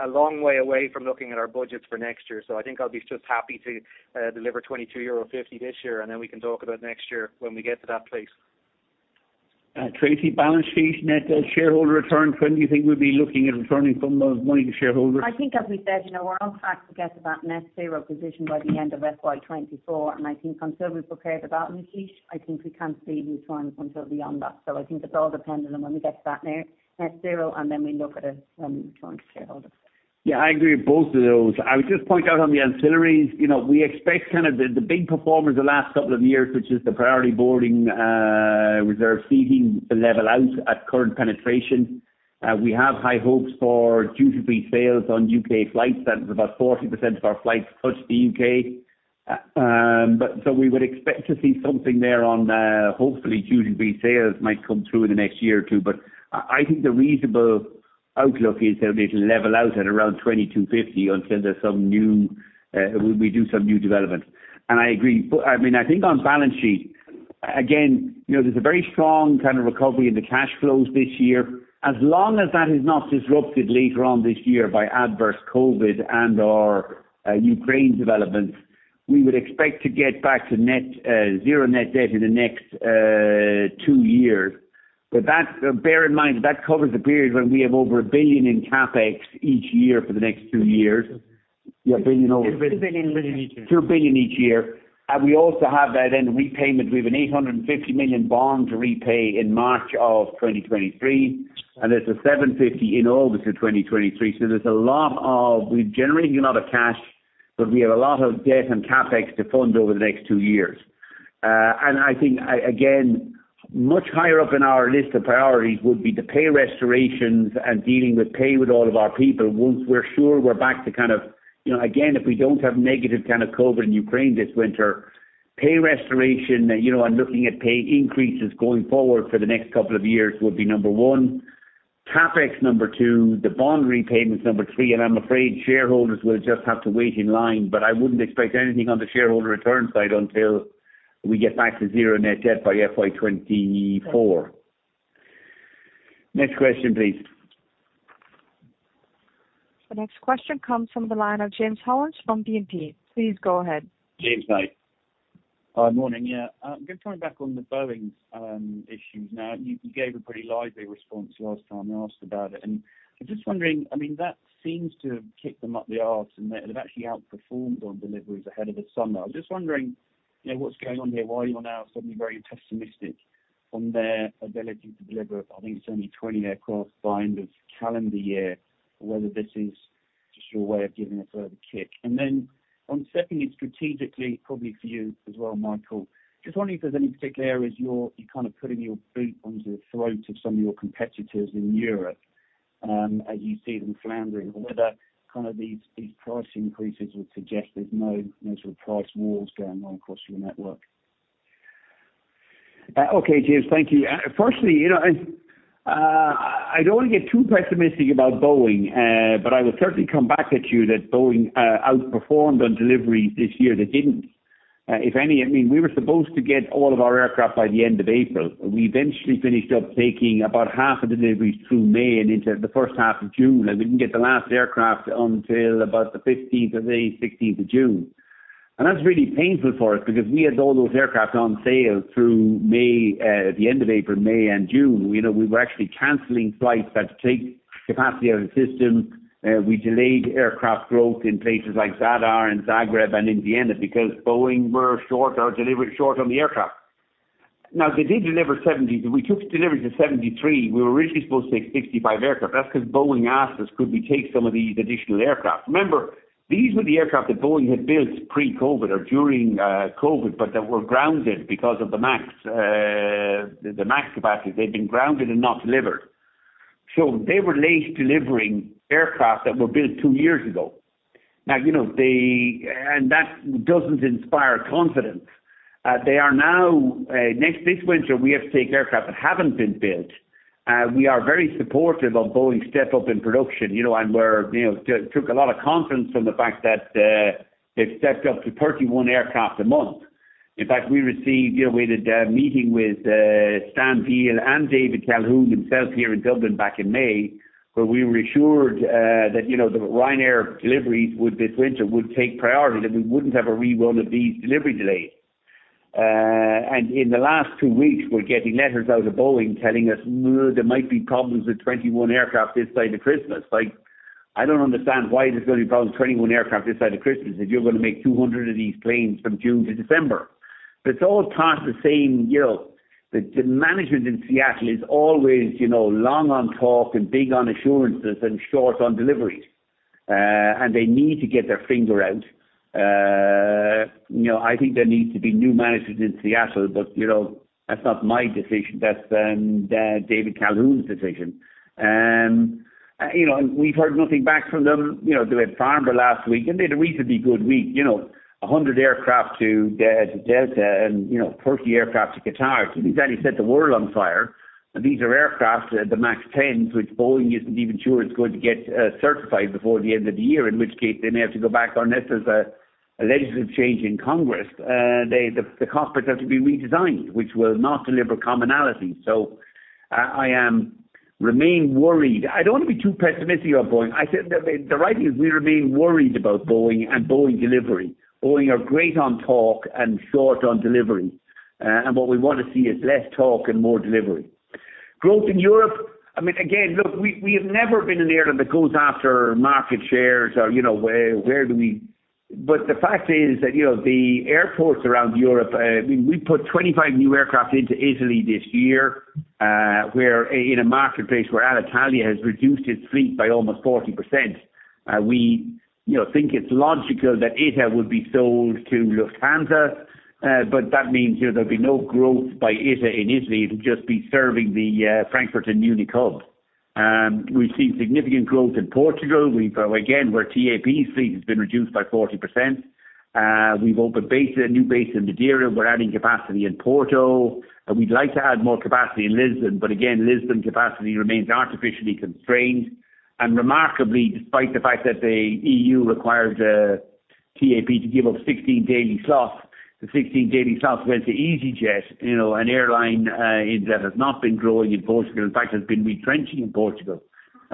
a long way away from looking at our budgets for next year. I think I'll be just happy to deliver 22.50 euro this year, and then we can talk about next year when we get to that place. Tracy, balance sheet net debt shareholder return. When do you think we'll be looking at returning some of the money to shareholders? I think as we said, you know, we're on track to get to that net zero position by the end of FY24, and I think until we've prepared the balance sheet, I think we can't see returns until beyond that. I think it all depends on when we get to that net zero, and then we look at it when we return to shareholders. Yeah, I agree with both of those. I would just point out on the ancillaries, you know, we expect kind of the big performers the last couple of years, which is the priority boarding, reserve seating to level out at current penetration. We have high hopes for duty-free sales on UK flights. That's about 40% of our flights touch the UK. We would expect to see something there, hopefully duty-free sales might come through in the next year or two. I think the reasonable outlook is that it'll level out at around 22.50 until we do some new development. I agree. I mean, I think on balance sheet, again, you know, there's a very strong kind of recovery in the cash flows this year. As long as that is not disrupted later on this year by adverse COVID and/or Ukraine developments, we would expect to get back to net zero net debt in the next two years. That's. Bear in mind that covers a period when we have over 1 billion in CapEx each year for the next two years. 2 billion each year. 2 billion each year. We also have that then repayment. We have an 850 million bond to repay in March 2023, and there's a 750 million in August 2023. There's a lot. We're generating a lot of cash, but we have a lot of debt and CapEx to fund over the next two years. I think again, much higher up in our list of priorities would be the pay restorations and dealing with pay with all of our people once we're sure we're back to kind of. You know, again, if we don't have negative kind of COVID in Ukraine this winter, pay restoration, you know, and looking at pay increases going forward for the next couple of years would be number one. CapEx number two. The bond repayment is number three, and I'm afraid shareholders will just have to wait in line. I wouldn't expect anything on the shareholder return side until we get back to zero net debt by FY24. Next question, please. The next question comes from the line of James Hollins from BNP. Please go ahead. James, hi. Hi. Morning. Yeah. Just coming back on the Boeing issues. Now, you gave a pretty lively response last time I asked about it. I'm just wondering, I mean, that seems to have kicked them up the arse, and they have actually outperformed on deliveries ahead of the summer. I was just wondering, you know, what's going on here, why you are now suddenly very pessimistic on their ability to deliver, I think, it's only 20 aircraft by end of calendar year, or whether this is just your way of giving a further kick. Then on stepping it strategically, probably for you as well, Michael, just wondering if there's any particular areas you're kind of putting your boot onto the throat of some of your competitors in Europe, as you see them floundering. whether kind of these price increases would suggest there's no sort of price wars going on across your network? Okay, James. Thank you. Firstly, you know, I wouldn't get too pessimistic about Boeing. But I will certainly come back at you that Boeing outperformed on delivery this year. They didn't. If anything, I mean, we were supposed to get all of our aircraft by the end of April. We eventually finished up taking about half of deliveries through May and into the first half of June. We didn't get the last aircraft until about the fifteenth of May, sixteenth of June. That's really painful for us because we had all those aircraft on sale through the end of April, May and June. You know, we were actually canceling flights, had to take capacity out of the system. We delayed aircraft growth in places like Zadar and Zagreb and in Vienna because Boeing were short on delivery, short on the aircraft. Now, they did deliver 70. We took delivery to 73. We were originally supposed to take 65 aircraft. That's 'cause Boeing asked us, could we take some of these additional aircraft? Remember, these were the aircraft that Boeing had built pre-COVID or during COVID, but that were grounded because of the MAX capacity. They'd been grounded and not delivered. So they were late delivering aircraft that were built two years ago. Now, you know, they. That doesn't inspire confidence. They are now this winter, we have to take aircraft that haven't been built. We are very supportive of Boeing's step up in production. You know, we took a lot of confidence from the fact that they've stepped up to 31 aircraft a month. In fact, we had a meeting with Stan Deal and David Calhoun themselves here in Dublin back in May, where we were assured that the Ryanair deliveries for this winter would take priority, that we wouldn't have a rerun of these delivery delays. In the last two weeks, we're getting letters from Boeing telling us there might be problems with 21 aircraft this side of Christmas. Like, I don't understand why there's gonna be problems with 21 aircraft this side of Christmas if you're gonna make 200 of these planes from June to December. It's all part of the same, you know. Management in Seattle is always, you know, long on talk and big on assurances and short on deliveries. They need to get their finger out. You know, I think there needs to be new management in Seattle, but that's not my decision. That's David Calhoun's decision. You know, we've heard nothing back from them. You know, they were at Farnborough last week, and they had a reasonably good week. You know, 100 aircraft to Delta and 40 aircraft to Qatar. So it doesn't set the world on fire. These are aircraft, the MAX 10s, which Boeing isn't even sure it's going to get certified before the end of the year. In which case they may have to go back unless there's a legislative change in Congress. The cockpits have to be redesigned, which will not deliver commonality. I remain worried. I don't wanna be too pessimistic about Boeing. I said the right thing is we remain worried about Boeing and Boeing delivery. Boeing are great on talk and short on delivery. What we want to see is less talk and more delivery. Growth in Europe, I mean, again, look, we have never been an airline that goes after market shares or, you know. The fact is that, you know, the airports around Europe, I mean, we put 25 new aircraft into Italy this year. We're in a marketplace where Alitalia has reduced its fleet by almost 40%. We, you know, think it's logical that ITA would be sold to Lufthansa, but that means there'll be no growth by ITA in Italy. It'll just be serving the Frankfurt and Munich hubs. We've seen significant growth in Portugal. Again, where TAP's fleet has been reduced by 40%. We've opened a new base in Madeira. We're adding capacity in Porto, and we'd like to add more capacity in Lisbon, but again, Lisbon capacity remains artificially constrained. Remarkably, despite the fact that the EU required TAP to give up 16 daily slots. The 16 daily slots went to easyJet, you know, an airline, and that has not been growing in Portugal, in fact, has been retrenching in Portugal.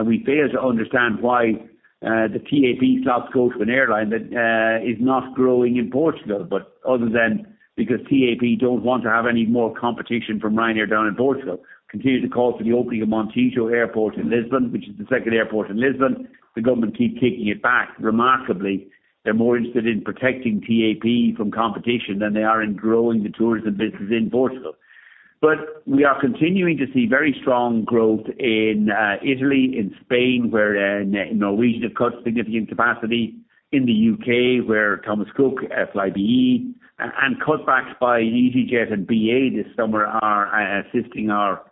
We fail to understand why the TAP slots go to an airline that is not growing in Portugal, but other than because TAP don't want to have any more competition from Ryanair down in Portugal. Continue to call for the opening of Montijo Airport in Lisbon, which is the second airport in Lisbon. The government keep kicking it back. Remarkably, they're more interested in protecting TAP from competition than they are in growing the tourism business in Portugal. We are continuing to see very strong growth in Italy, in Spain, where Norwegian have cut significant capacity. In the UK, where Thomas Cook, Flybe and cutbacks by easyJet and BA this summer are assisting our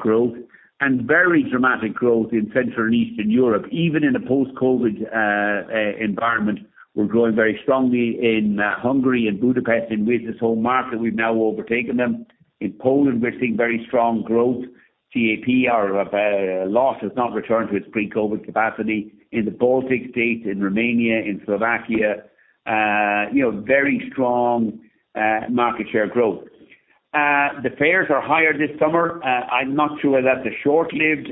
growth. Very dramatic growth in Central and Eastern Europe. Even in a post-COVID environment, we're growing very strongly in Hungary and Budapest in Wizz's home market, we've now overtaken them. In Poland, we're seeing very strong growth. TAP and Lufthansa has not returned to its pre-COVID capacity. In the Baltic states, in Romania, in Slovakia, you know, very strong market share growth. The fares are higher this summer. I'm not sure whether that's a short-lived,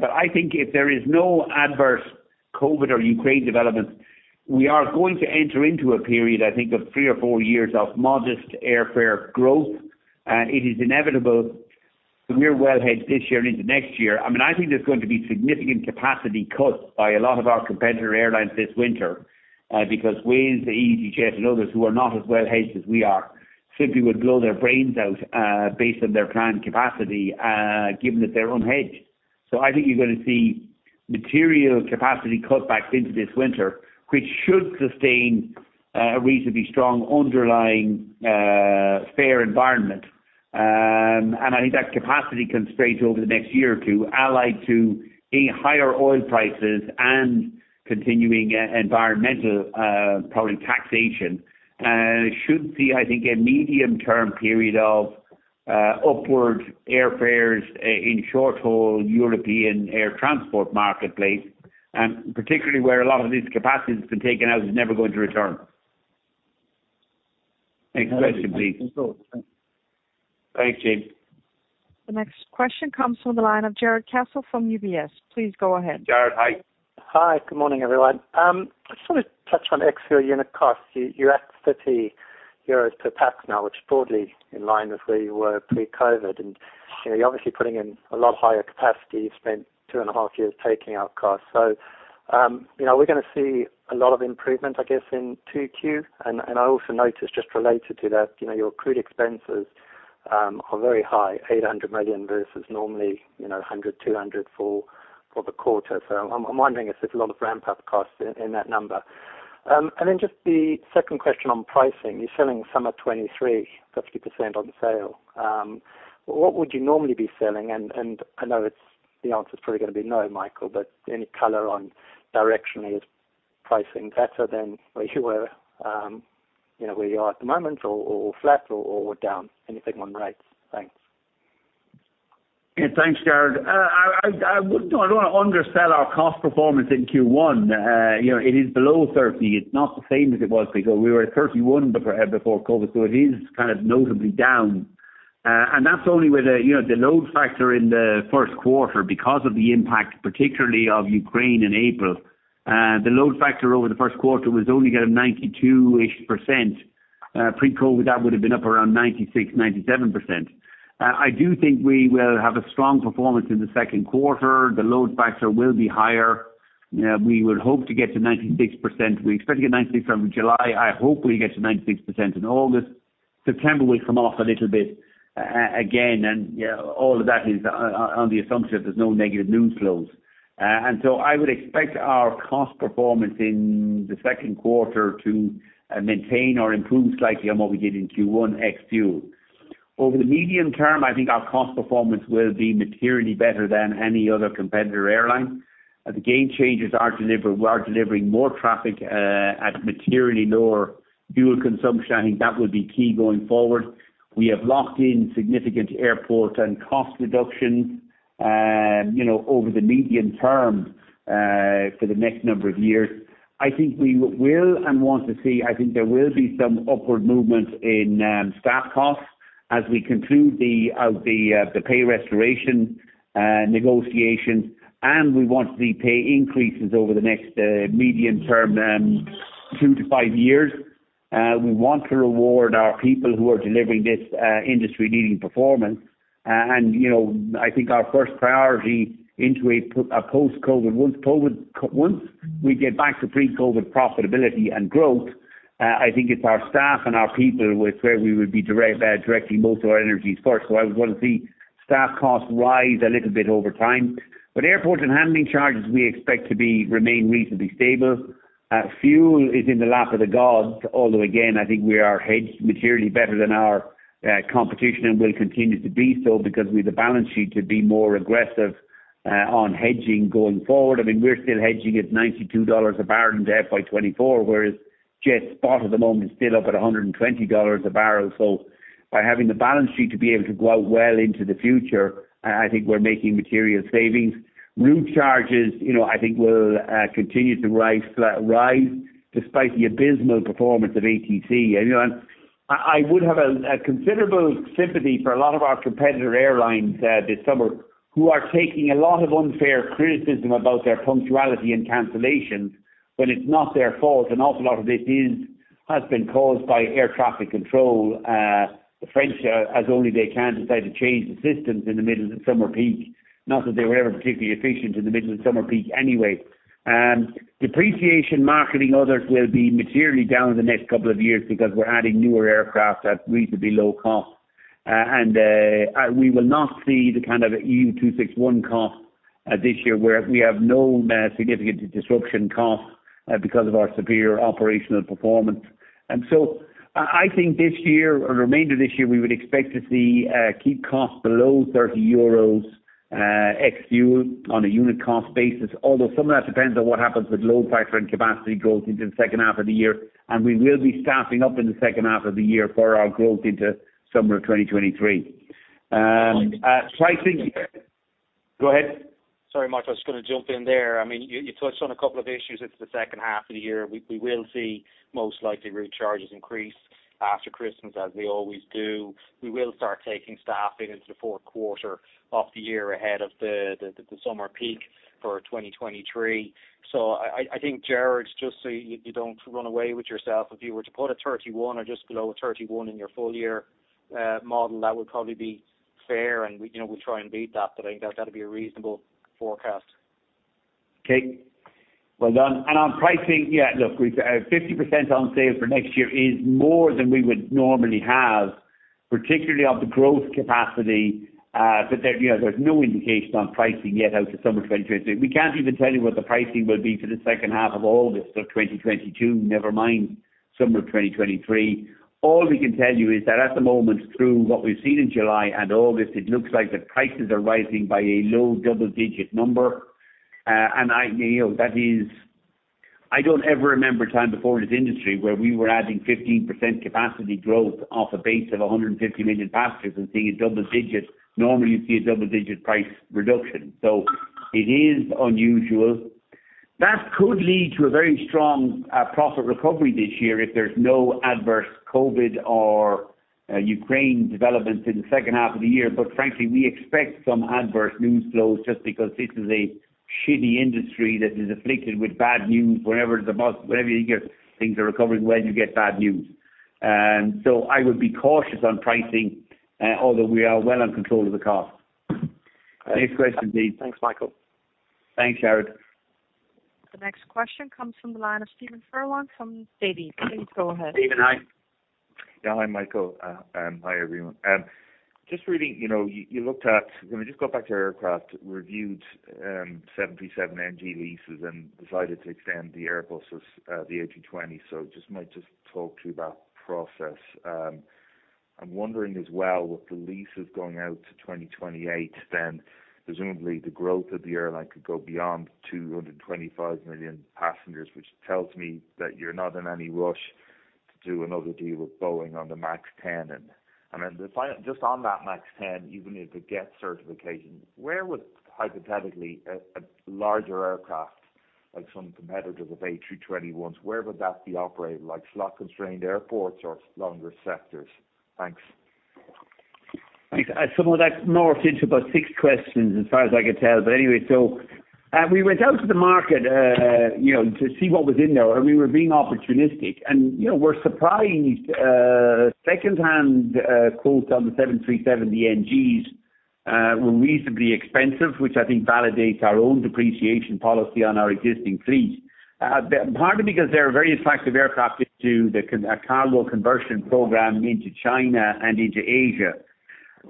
but I think if there is no adverse COVID or Ukraine developments, we are going to enter into a period, I think of three or four years of modest airfare growth. It is inevitable, so we're well hedged this year and into next year. I mean, I think there's going to be significant capacity cuts by a lot of our competitor airlines this winter, because Wizz, easyJet and others who are not as well hedged as we are, simply would blow their brains out, based on their planned capacity, given that they're unhedged. I think you're gonna see material capacity cutbacks into this winter, which should sustain a reasonably strong underlying fare environment. I think that capacity constraint over the next year or two, allied to higher oil prices and continuing environmental, probably taxation, should see, I think, a medium-term period of upward airfares in short-haul European air transport marketplace, particularly where a lot of this capacity that's been taken out is never going to return. Next question, please. Thanks. Thanks, James. The next question comes from the line of Jarrod Castle from UBS. Please go ahead. Jarrod, hi. Hi. Good morning, everyone. I just wanna touch on ex-fuel unit cost. You're at 30 euros per pax now, which is broadly in line with where you were pre-COVID. You know, you're obviously putting in a lot higher capacity. You've spent two and a half years taking out costs. You know, are we gonna see a lot of improvement, I guess, in 2Q? I also noticed, just related to that, you know, your crew expenses are very high, 800 million versus normally, you know, 100, 200 for the quarter. I'm wondering if there's a lot of ramp-up costs in that number. Then just the second question on pricing. You're selling summer 2023, 30% on sale. What would you normally be selling? I know it's the answer is probably gonna be no, Michael, but any color on directionally, is pricing better than where you were, you know, where you are at the moment or flat or down? Anything on rates? Thanks. Yeah. Thanks, Jarrod. You know, I don't wanna undersell our cost performance in Q1. You know, it is below 30. It's not the same as it was before. We were at 31 before COVID, so it is kind of notably down. That's only with you know, the load factor in the first quarter because of the impact, particularly of Ukraine and April. The load factor over the first quarter was only kind of 92ish%. Pre-COVID, that would have been up around 96%-97%. I do think we will have a strong performance in the second quarter. The load factor will be higher. We would hope to get to 96%. We expect to get 96% from July. I hope we get to 96% in August. September will come off a little bit again, and all of that is on the assumption there's no negative news flows. I would expect our cost performance in the second quarter to maintain or improve slightly on what we did in Q1, ex-fuel. Over the medium term, I think our cost performance will be materially better than any other competitor airline. The Gamechangers are delivered. We are delivering more traffic at materially lower fuel consumption. I think that will be key going forward. We have locked in significant airport and cost reductions over the medium term for the next number of years. I think there will be some upward movement in staff costs as we conclude the pay restoration negotiations, and we want the pay increases over the next medium term, two to five years. We want to reward our people who are delivering this industry-leading performance. You know, I think our first priority in a post-COVID once we get back to pre-COVID profitability and growth, I think it's our staff and our people to where we would be directing most of our energy first. I would want to see staff costs rise a little bit over time. Airports and handling charges, we expect to remain reasonably stable. Fuel is in the lap of the gods, although again, I think we are hedged materially better than our competition and will continue to be so because we have the balance sheet to be more aggressive on hedging going forward. I mean, we're still hedging at $92 a barrel into FY24, whereas jet spot at the moment is still up at $120 a barrel. By having the balance sheet to be able to go out well into the future, I think we're making material savings. Route charges, you know, I think will continue to rise despite the abysmal performance of ATC. You know, I would have a considerable sympathy for a lot of our competitor airlines this summer who are taking a lot of unfair criticism about their punctuality and cancellations when it's not their fault. An awful lot of this has been caused by air traffic control. The French as only they can decide to change the systems in the middle of the summer peak, not that they were ever particularly efficient in the middle of summer peak anyway. Depreciation, marketing, others will be materially down in the next couple of years because we're adding newer aircraft at reasonably low cost. We will not see the kind of EU 261 cost this year where we have no significant disruption cost because of our superior operational performance. I think this year or remainder of this year, we would expect to keep costs below 30 euros ex-fuel on a unit cost basis, although some of that depends on what happens with load factor and capacity growth into the second half of the year. We will be staffing up in the second half of the year for our growth into summer of 2023. Pricing- Michael- Go ahead. Sorry, Michael, I was just gonna jump in there. I mean, you touched on a couple of issues into the second half of the year. We will see most likely route charges increase after Christmas, as they always do. We will start taking staffing into the fourth quarter of the year ahead of the summer peak for 2023. I think, Jarrod, just so you don't run away with yourself, if you were to put a 31 or just below a 31 in your full year model, that would probably be fair. We, you know, we'll try and beat that, but I think that'd be a reasonable forecast. Okay. Well done. On pricing, yeah, look, we've 50% on sale for next year is more than we would normally have, particularly of the growth capacity. But there, you know, there's no indication on pricing yet out to summer 2023. We can't even tell you what the pricing will be for the second half of August 2022, never mind summer 2023. All we can tell you is that at the moment, through what we've seen in July and August, it looks like the prices are rising by a low double-digit number. And I, you know, that is. I don't ever remember a time before in this industry where we were adding 15% capacity growth off a base of 150 million passengers and seeing a double digit. Normally, you'd see a double-digit price reduction. It is unusual. That could lead to a very strong profit recovery this year if there's no adverse COVID or Ukraine developments in the second half of the year. Frankly, we expect some adverse news flows just because this is a industry that is afflicted with bad news. Whenever you get things are recovering well, you get bad news. I would be cautious on pricing, although we are well in control of the cost. Next question, please. Thanks, Michael. Thanks, Jarrod. The next question comes from the line of Stephen Furlong from Davy. Please go ahead. Stephen, hi. Yeah. Hi, Michael. Hi, everyone. Just reading, you know, you looked at, you know, just go back to aircraft, reviewed 77 NG leases and decided to extend the Airbuses, the A220. Just might talk through that process. I'm wondering as well, with the leases going out to 2028, then presumably the growth of the airline could go beyond 225 million passengers, which tells me that you're not in any rush to do another deal with Boeing on the MAX 10. I mean, just on that MAX 10, even if it gets certification, where would hypothetically a larger aircraft, like some competitors of A220 ones, where would that be operated? Like slot-constrained airports or longer sectors? Thanks. Thanks. Some of that morphed into about six questions as far as I could tell. Anyway, we went out to the market, you know, to see what was in there. We were being opportunistic. You know, we're surprised, secondhand quotes on the 737, the NGs, were reasonably expensive, which I think validates our own depreciation policy on our existing fleet. Partly because there are various types of aircraft into the cargo conversion program into China and into Asia.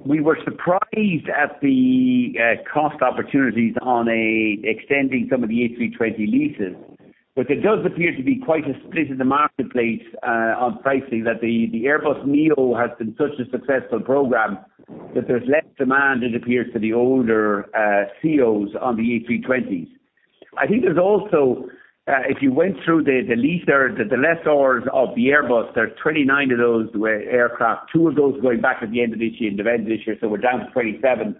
We were surprised at the cost opportunities on extending some of the A320 leases. There does appear to be quite a split in the marketplace, on pricing that the Airbus NEO has been such a successful program that there's less demand, it appears, for the older CEOs on the A320s. I think there's also, if you went through the lessors of the Airbus, there's 29 of those aircraft, 2 of those going back at the end of this year, so we're down to 27.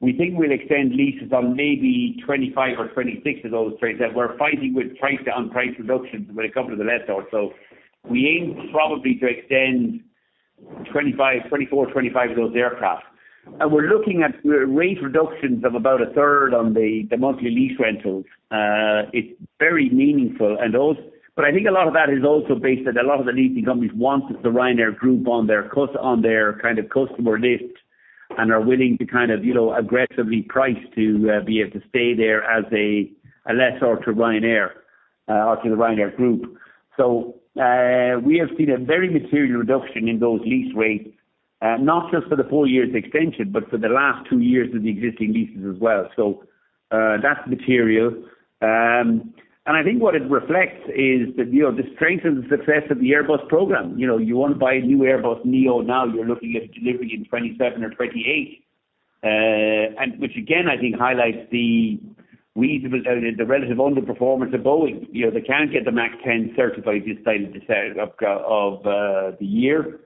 We think we'll extend leases on maybe 25 or 26 of those 27. We're fighting with price on price reductions with a couple of the lessors. We aim probably to extend 25, 24, 25 of those aircraft. We're looking at rate reductions of about a third on the monthly lease rentals. It's very meaningful and I think a lot of that is also based that a lot of the leasing companies want the Ryanair Group on their kind of customer list and are willing to kind of you know aggressively price to be able to stay there as a lessor to Ryanair or to the Ryanair Group. We have seen a very material reduction in those lease rates not just for the full year's extension but for the last two years of the existing leases as well. That's material. I think what it reflects is that you know the strength and success of the Airbus program. You know you want to buy a new Airbus NEO now you're looking at delivery in 2027 or 2028. Which again, I think highlights the relative underperformance of Boeing. You know, they can't get the MAX 10 certified this side of the year.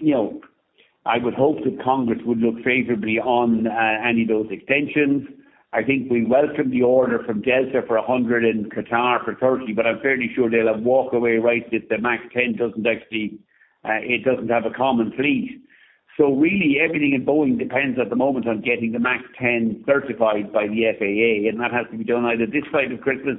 You know, I would hope that Congress would look favorably on any of those extensions. I think we welcome the order from Delta for 100 and Qatar for 30, but I'm fairly sure they'll have walk away rights if the MAX 10 doesn't actually have a common fleet. Really everything in Boeing depends at the moment on getting the MAX 10 certified by the FAA, and that has to be done either this side of Christmas,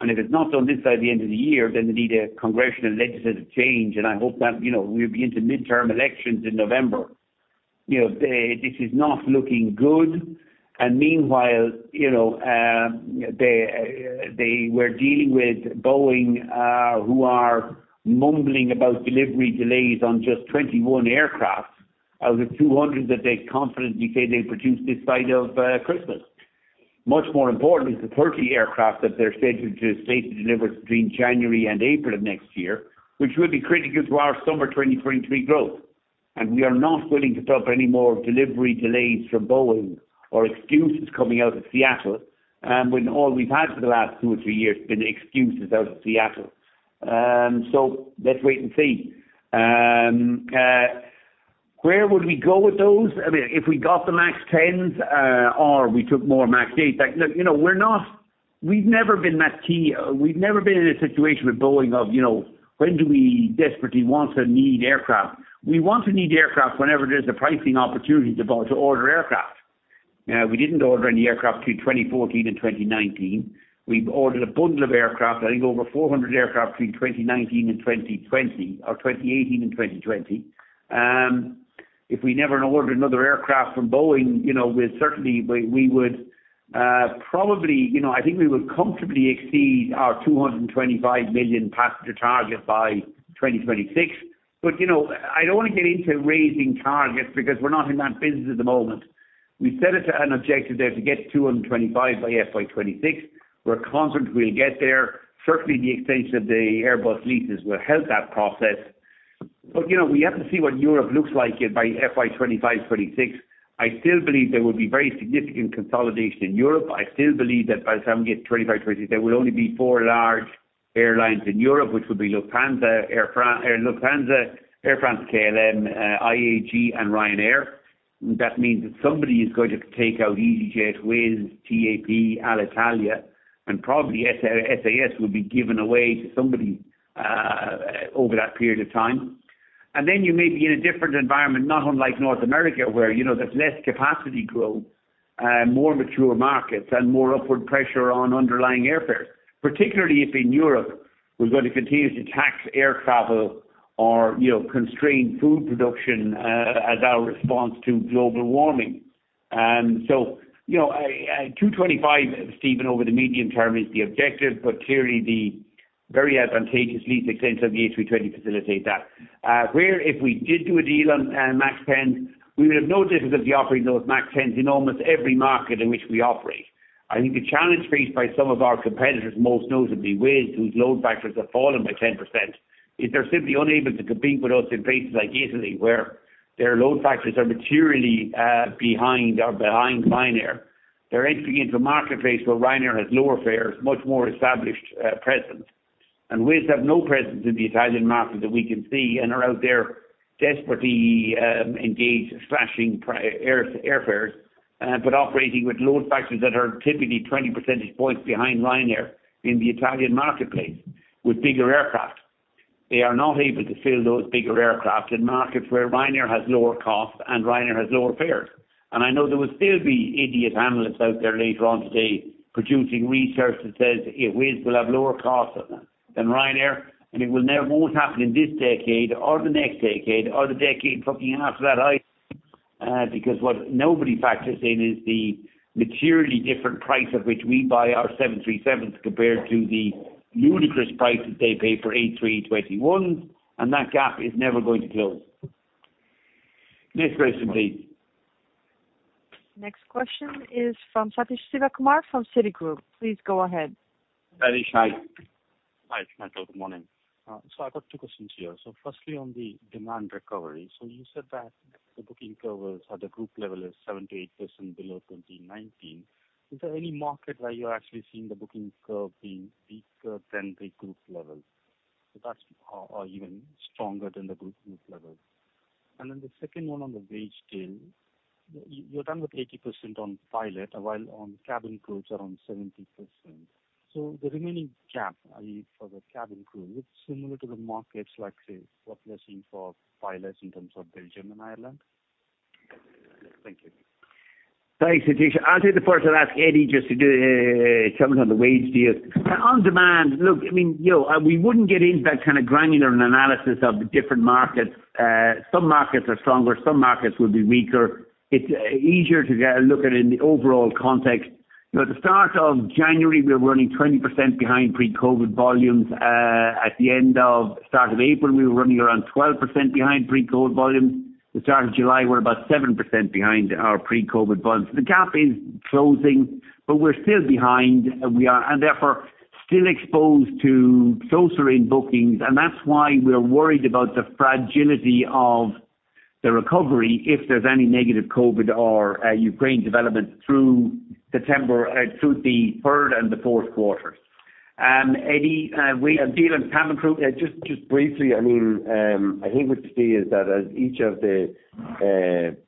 and if it's not done this side of the end of the year, then they need a congressional and legislative change. I hope that, you know, we'll be into midterm elections in November. You know, this is not looking good. Meanwhile, you know, they were dealing with Boeing, who are mumbling about delivery delays on just 21 aircraft out of 200 that they confidently said they'd produce this side of Christmas. Much more important is the 30 aircraft that they're scheduled to safely deliver between January and April of next year, which will be critical to our summer 2023 growth. We are not willing to put up any more delivery delays from Boeing or excuses coming out of Seattle, so let's wait and see. Where would we go with those? I mean, if we got the MAX tens, or we took more MAX eights. Like, look, you know, we've never been in a situation with Boeing of, you know, when do we desperately want or need aircraft? We want or need aircraft whenever there's a pricing opportunity to buy, to order aircraft. We didn't order any aircraft through 2014 and 2019. We've ordered a bundle of aircraft, I think over 400 aircraft between 2019 and 2020 or 2018 and 2020. If we never ordered another aircraft from Boeing, you know, we would probably, you know, I think we would comfortably exceed our 225 million passenger target by 2026. You know, I don't want to get into raising targets because we're not in that business at the moment. We set it to an objective there to get 225 by FY26. We're confident we'll get there. Certainly, the extension of the Airbus leases will help that process. You know, we have to see what Europe looks like by FY25, 26. I still believe there will be very significant consolidation in Europe. I still believe that by the time we get 25, 26, there will only be four large airlines in Europe, which will be Lufthansa, Air France-KLM, IAG and Ryanair. That means that somebody is going to take out easyJet, Wizz, TAP, Alitalia, and probably SAS will be given away to somebody over that period of time. Then you may be in a different environment, not unlike North America, where, you know, there's less capacity growth, more mature markets and more upward pressure on underlying airfares. Particularly if in Europe we're going to continue to tax air travel or, you know, constrain food production, as our response to global warming. You know, 225, Stephen, over the medium term is the objective, but clearly the very advantageous lease extension of the A320 facilitate that. Where if we did do a deal on MAX 10s, we would have no difficulty operating those MAX 10s in almost every market in which we operate. I think the challenge faced by some of our competitors, most notably Wizz Air, whose load factors have fallen by 10%, is they're simply unable to compete with us in places like Italy, where their load factors are materially behind Ryanair. They're entering into a marketplace where Ryanair has lower fares, much more established presence. Wizz Air has no presence in the Italian market that we can see and are out there desperately engaged, slashing airfares, but operating with load factors that are typically 20 percentage points behind Ryanair in the Italian marketplace with bigger aircraft. They are not able to fill those bigger aircraft in markets where Ryanair has lower costs and Ryanair has lower fares. I know there will still be idiot analysts out there later on today producing research that says, yeah, Wizz will have lower costs than Ryanair, and it won't happen in this decade or the next decade or the decade after that either. Because what nobody factors in is the materially different price at which we buy our 737s compared to the ludicrous prices they pay for A321s, and that gap is never going to close. Let's wait and see. Next question is from Sathish Sivakumar from Citigroup. Please go ahead. Sathish, hi. Hi, Michael, good morning. I've got two questions here. Firstly, on the demand recovery. You said that the booking curve at the group level is 78% below 2019. Is there any market where you're actually seeing the bookings curve being weaker than the group level, or even stronger than the group level? Then the second one on the wage bill. We're done with 80% on pilots, while cabin crews are on 70%. The remaining gap, i.e., for the cabin crew, it's similar to the markets like, say, what we are seeing for pilots in terms of Belgium and Ireland? Thank you. Thanks, Sathish. I'll ask Eddie just to comment on the wage deals. On demand. Look, I mean, you know, we wouldn't get into that kind of granular analysis of the different markets. Some markets are stronger, some markets will be weaker. It's easier to get a look at it in the overall context. You know, at the start of January, we were running 20% behind pre-COVID volumes. At the start of April, we were running around 12% behind pre-COVID volumes. The start of July, we're about 7% behind our pre-COVID volumes. The gap is closing, but we're still behind and therefore still exposed to closer in bookings. That's why we're worried about the fragility of the recovery if there's any negative COVID or Ukraine development through September through the third and the fourth quarter. Eddie, we are dealing with cabin crew. Yeah. Just briefly. I mean, I think what you see is that as each of the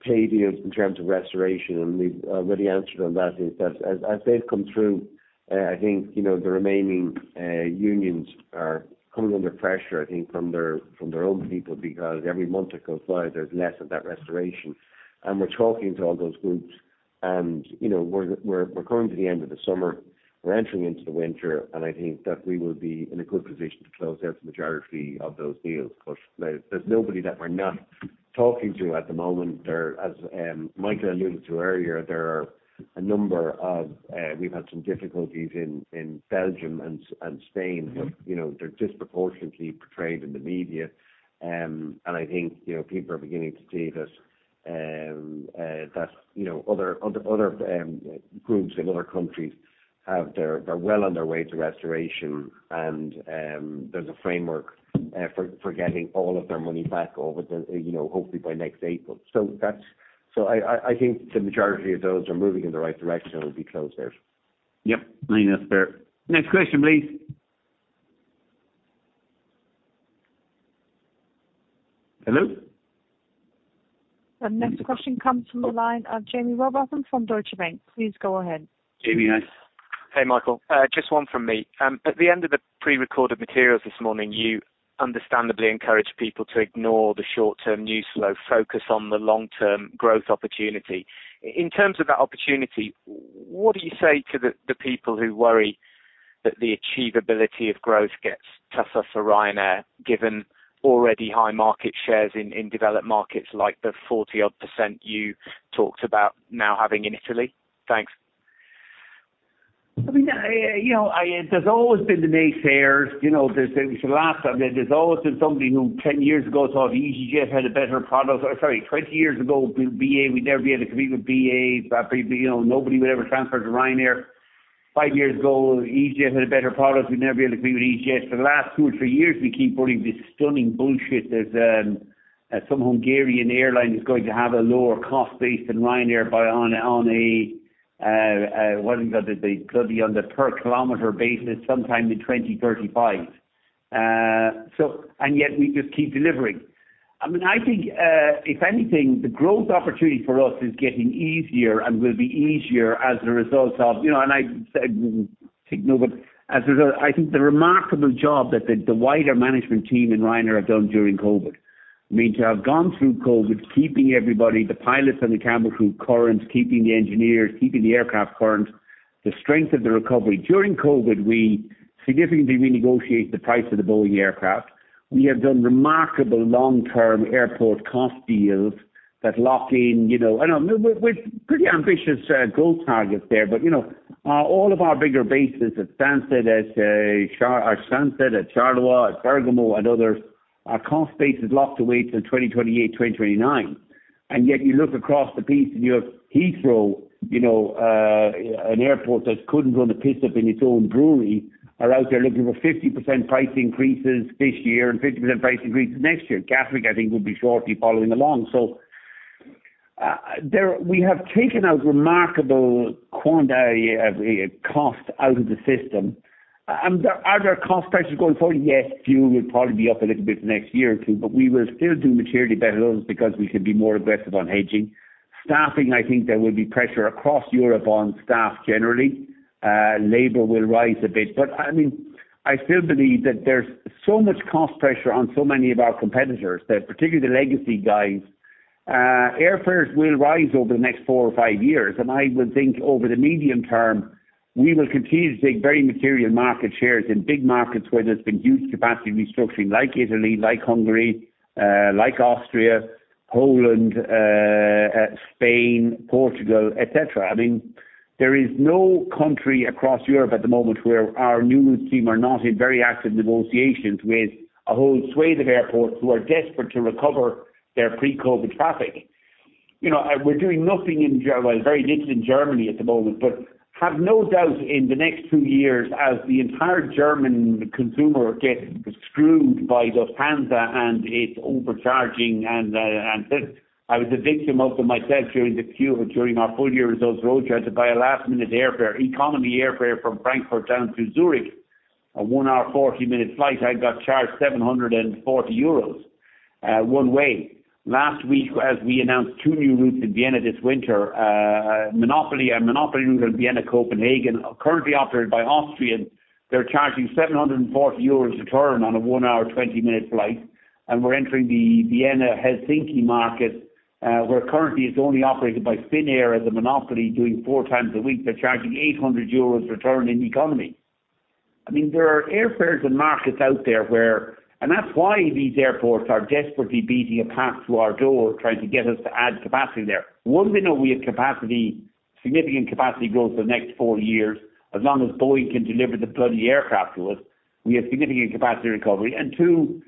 pay deals in terms of restoration, and we've already answered on that, is that as they've come through, I think, you know, the remaining unions are coming under pressure, I think from their own people, because every month that goes by there's less of that restoration. We're talking to all those groups and, you know, we're coming to the end of the summer. We're entering into the winter, and I think that we will be in a good position to close out the majority of those deals. There, there's nobody that we're not talking to at the moment. As Michael alluded to earlier, there are a number of, we've had some difficulties in Belgium and Spain. You know, they're disproportionately portrayed in the media. I think, you know, people are beginning to see that, you know, other groups in other countries have they're well on their way to restoration and, there's a framework, for getting all of their money back over the, you know, hopefully by next April. I think the majority of those are moving in the right direction and will be closed out. Yep. I think that's fair. Next question, please. Hello? The next question comes from the line of Jaime Rowbotham from Deutsche Bank. Please go ahead. Jaime. Yes. Hey, Michael. Just one from me. At the end of the pre-recorded materials this morning, you understandably encouraged people to ignore the short-term news flow, focus on the long-term growth opportunity. In terms of that opportunity, what do you say to the people who worry that the achievability of growth gets tougher for Ryanair given already high market shares in developed markets like the 40-odd% you talked about now having in Italy? Thanks. I mean, you know, there's always been the naysayers, you know. There's always been somebody who 10 years ago thought easyJet had a better product or sorry, 20 years ago, BA, we'd never be able to compete with BA. You know, nobody would ever transfer to Ryanair. 5 years ago, easyJet had a better product. We'd never be able to compete with easyJet. For the last 2 or 3 years, we keep running this stunning bullshit as some Hungarian airline is going to have a lower cost base than Ryanair on a per kilometer basis sometime in 2035. And yet we just keep delivering. I mean, I think if anything, the growth opportunity for us is getting easier and will be easier as a result of the remarkable job that the wider management team in Ryanair have done during COVID. I mean, to have gone through COVID, keeping everybody, the pilots and the cabin crew current, keeping the engineers, keeping the aircraft current. The strength of the recovery. During COVID, we significantly renegotiated the price of the Boeing aircraft. We have done remarkable long-term airport cost deals that lock in, you know. I know with pretty ambitious growth targets there. You know, all of our bigger bases at Stansted, at Charleroi, at Bergamo and others, our cost base is locked away till 2028, 2029. Yet you look across the piece and you have Heathrow, you know, an airport that couldn't run a piss up in its own brewery are out there looking for 50% price increases this year and 50% price increases next year. Gatwick, I think, will be shortly following along. We have taken out remarkable quantity of cost out of the system. Are there cost pressures going forward? Yes, fuel will probably be up a little bit next year or two, but we will still do materially better than others because we can be more aggressive on hedging. Staffing, I think there will be pressure across Europe on staff generally. Labor will rise a bit. I mean, I still believe that there's so much cost pressure on so many of our competitors that particularly the legacy guys, airfares will rise over the next four or five years. I would think over the medium term, we will continue to take very material market shares in big markets where there's been huge capacity restructuring like Italy, like Hungary, like Austria, Poland, Spain, Portugal, et cetera. I mean, there is no country across Europe at the moment where our new team are not in very active negotiations with a whole swathe of airports who are desperate to recover their pre-COVID traffic. You know, we're doing very little in Germany at the moment, but have no doubt in the next two years as the entire German consumer gets screwed by Lufthansa and its overcharging. I was a victim of them myself during our full year results roadshow to buy a last-minute airfare, economy airfare from Frankfurt down to Zurich. A one-hour 40-minute flight, I got charged 740 euros, one way. Last week as we announced two new routes in Vienna this winter, a monopoly route in Vienna, Copenhagen are currently operated by Austrian. They're charging 740 euros return on a one-hour 20-minute flight. We're entering the Vienna-Helsinki market, where currently it's only operated by Finnair as a monopoly, doing four times a week. They're charging 800 euros return in economy. I mean, there are airfares and markets out there where. That's why these airports are desperately beating a path to our door, trying to get us to add capacity there. One, they know we have capacity, significant capacity growth for the next four years. As long as Boeing can deliver the bloody aircraft to us, we have significant capacity recovery. Two,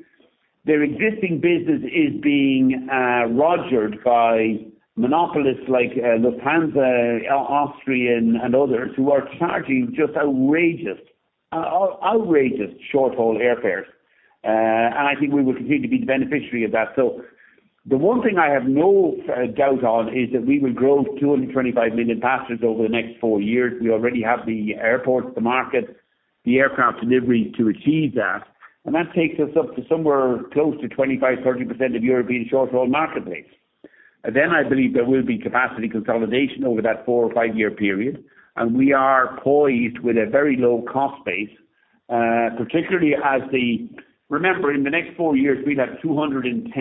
their existing business is being rogered by monopolists like Lufthansa, Austrian and others who are charging just outrageous short-haul airfares. I think we will continue to be the beneficiary of that. The one thing I have no doubt on is that we will grow to 225 million passengers over the next four years. We already have the airports, the market, the aircraft deliveries to achieve that, and that takes us up to somewhere close to 25%-30% of European short-haul marketplace. I believe there will be capacity consolidation over that 4- or 5-year period, and we are poised with a very low cost base, particularly as the... Remember, in the next four years, we'd have 210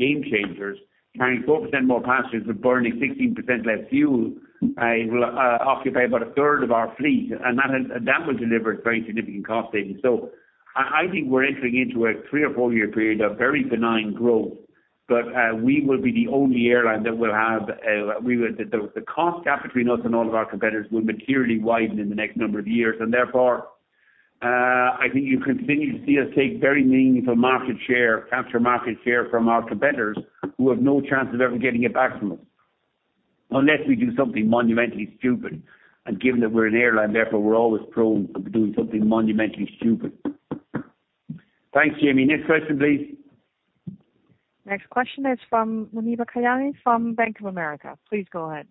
Gamechangers carrying 4% more passengers but burning 16% less fuel. It will occupy about a third of our fleet, and that will deliver very significant cost savings. I think we're entering into a 3- or 4-year period of very benign growth. We will be the only airline that will have the cost gap between us and all of our competitors will materially widen in the next number of years. Therefore, I think you'll continue to see us take very meaningful market share, capture market share from our competitors who have no chance of ever getting it back from us, unless we do something monumentally stupid. Given that we're an airline, therefore we're always prone to doing something monumentally stupid. Thanks, Jaime. Next question please. Next question is from Muneeba Kayani from Bank of America. Please go ahead.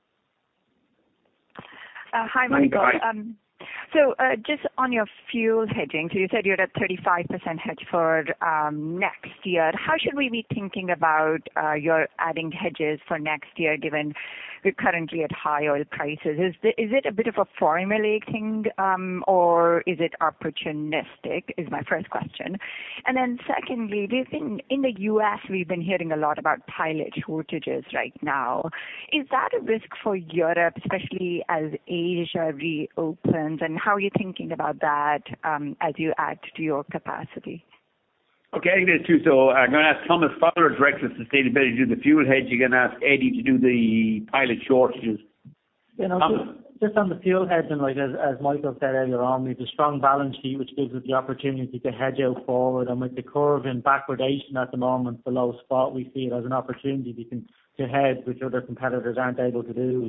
Hi, Michael. Muneeba, hi. Just on your fuel hedging. You said you're at 35% hedge for next year. How should we be thinking about your adding hedges for next year given we're currently at high oil prices? Is it a bit of a formulaic thing, or is it opportunistic, is my first question. Then secondly, in the US we've been hearing a lot about pilot shortages right now. Is that a risk for Europe, especially as Asia reopens? How are you thinking about that as you add to your capacity? Okay, I can do two. I'm gonna ask Thomas Fowler, Director of Sustainability to do the fuel hedge. I'm gonna ask Eddie to do the pilot shortages. You know. Thomas. Just on the fuel hedging, right. As Michael said earlier on, we have a strong balance sheet which gives us the opportunity to hedge out forward. With the curve in backwardation at the moment below spot, we see it as an opportunity we can to hedge which other competitors aren't able to do.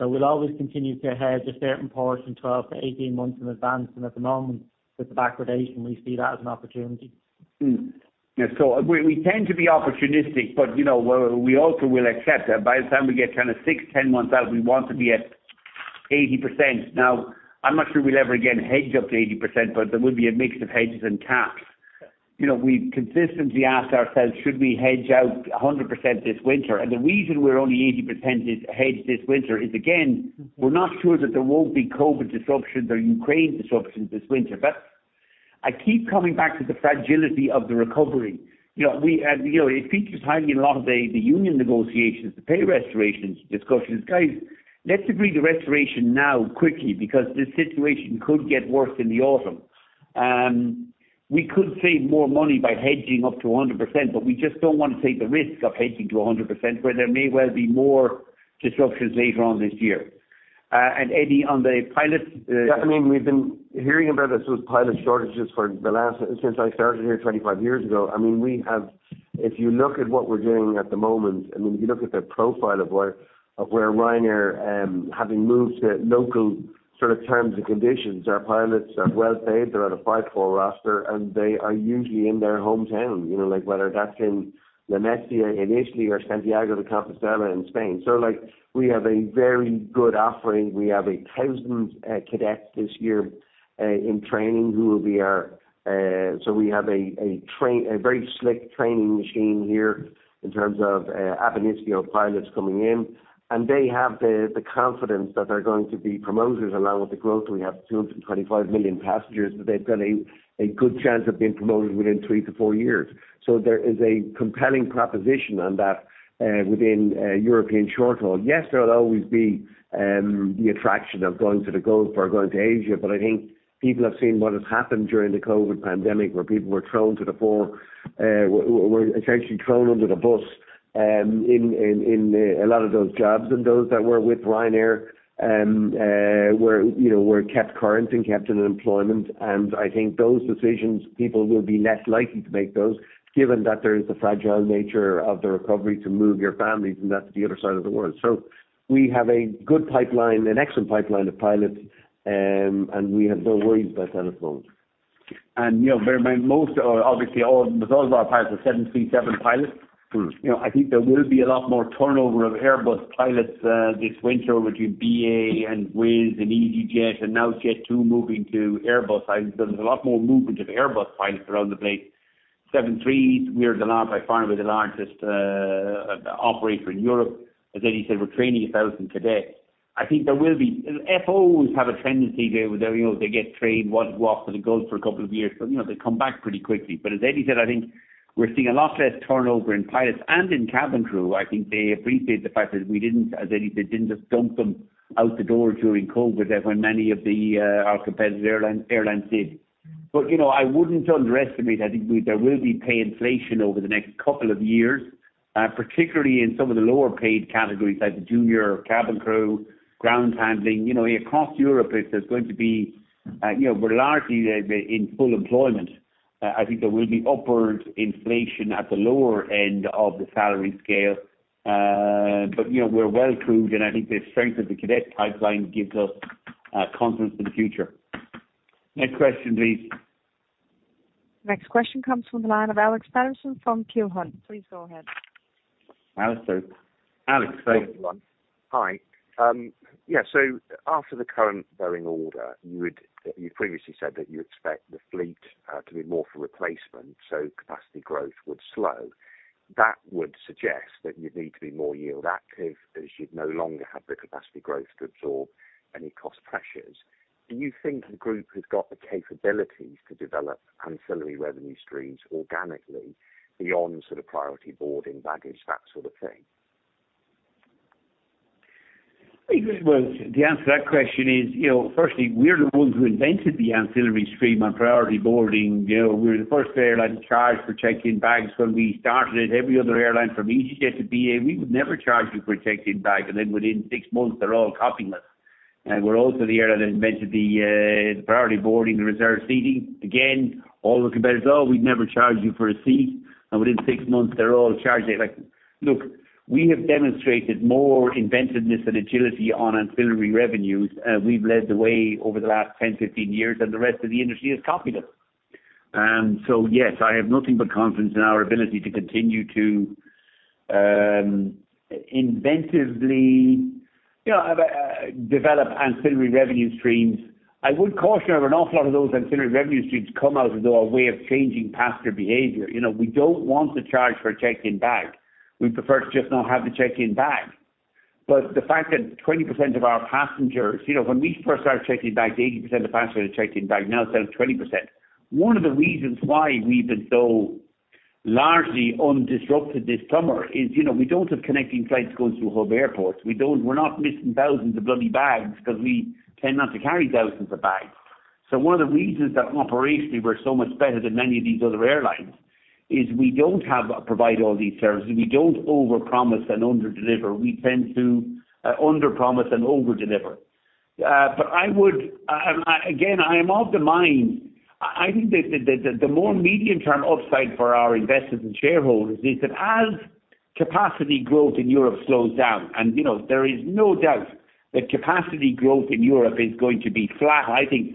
We'll always continue to hedge a certain portion 12-18 months in advance. At the moment with the backwardation, we see that as an opportunity. We tend to be opportunistic, but you know, we also will accept that by the time we get kind of 6-10 months out, we want to be at 80%. Now, I'm not sure we'll ever again hedge up to 80%, but there will be a mix of hedges and caps. You know, we've consistently asked ourselves, should we hedge out 100% this winter? The reason we're only 80% hedged this winter is again Mm. We're not sure that there won't be COVID disruptions or Ukraine disruptions this winter. I keep coming back to the fragility of the recovery. You know, we you know, it features highly in a lot of the union negotiations, the pay restoration discussions. Guys, let's agree the restoration now quickly because this situation could get worse in the autumn. We could save more money by hedging up to 100%, but we just don't want to take the risk of hedging to 100% where there may well be more disruptions later on this year. Eddie, on the pilot. Yeah. I mean, we've been hearing about the pilot shortages for the last since I started here 25 years ago. I mean, if you look at what we're doing at the moment, I mean, if you look at the profile of where Ryanair, having moved to local sort of terms and conditions, our pilots are well paid. They're on a 5-4 roster, and they are usually in their hometown. You know, like whether that's in Lamezia in Italy or Santiago de Compostela in Spain. Like, we have a very good offering. We have 1,000 cadets this year in training who will be our. We have a very slick training machine here in terms of ab initio pilots coming in. They have the confidence that they're going to be promoters along with the growth. We have 225 million passengers that they've got a good chance of being promoted within three to four years. There is a compelling proposition on that within European short-haul. Yes, there'll always be the attraction of going to the Gulf or going to Asia, but I think people have seen what has happened during the COVID pandemic, where people were essentially thrown under the bus in a lot of those jobs. Those that were with Ryanair were you know kept current and kept in employment. I think those decisions people will be less likely to make those, given that there is the fragile nature of the recovery to move your families and that to the other side of the world. We have a good pipeline, an excellent pipeline of pilots. We have no worries about that at the moment. You know, where most are obviously all with all of our pilots are 737 pilots. You know, I think there will be a lot more turnover of Airbus pilots this winter between BA and Wizz and easyJet and now Jet2 moving to Airbus. I think there's a lot more movement of Airbus pilots around the place. 737s, we're by far the largest operator in Europe. As Eddie said, we're training 1,000 today. FOs have a tendency there where, you know, they get trained, want to go off, and it goes for a couple of years. You know, they come back pretty quickly. As Eddie said, I think we're seeing a lot less turnover in pilots and in cabin crew. I think they appreciate the fact that we didn't, as Eddie said, just dump them out the door during COVID when many of our competitive airlines did. You know, I wouldn't underestimate. I think there will be pay inflation over the next couple of years, particularly in some of the lower paid categories like the junior cabin crew, ground handling. You know, across Europe, there's going to be, you know, we're largely in full employment. I think there will be upward inflation at the lower end of the salary scale. You know, we're well crewed, and I think the strength of the cadet pipeline gives us confidence in the future. Next question, please. Next question comes from the line of Alexander Paterson from Peel Hunt. Please go ahead. Alex, hey. Hi. Yeah, after the current Boeing order, you previously said that you expect the fleet to be more for replacement, so capacity growth would slow. That would suggest that you'd need to be more yield active as you'd no longer have the capacity growth to absorb any cost pressures. Do you think the group has got the capabilities to develop ancillary revenue streams organically beyond sort of priority boarding baggage, that sort of thing? Well, the answer to that question is, you know, firstly, we're the ones who invented the ancillary stream on priority boarding. You know, we're the first airline to charge for check-in bags. When we started, every other airline from easyJet to BA, we would never charge you for a check-in bag. Then within six months, they're all copying us. We're also the airline that invented the priority boarding, the reserve seating. Again, all the competitors. "Oh, we'd never charge you for a seat." Within six months, they're all charging. Like, look, we have demonstrated more inventiveness and agility on ancillary revenues. We've led the way over the last 10, 15 years, and the rest of the industry has copied us. Yes, I have nothing but confidence in our ability to continue to inventively, you know, develop ancillary revenue streams. I would caution an awful lot of those ancillary revenue streams come out of our way of changing passenger behavior. You know, we don't want to charge for a check-in bag. We prefer to just not have the check-in bag. The fact that 20% of our passengers. You know, when we first started check-in bags, 80% of passengers checked in bag, now it's down to 20%. One of the reasons why we've been so largely undisrupted this summer is, you know, we don't have connecting flights going through hub airports. We're not missing thousands of bloody bags because we tend not to carry thousands of bags. One of the reasons that operationally we're so much better than many of these other airlines is we don't have to provide all these services. We don't overpromise and underdeliver. We tend to underpromise and overdeliver. I would again, I am of the mind. I think the more medium-term upside for our investors and shareholders is that as capacity growth in Europe slows down, and you know, there is no doubt that capacity growth in Europe is going to be flat. I think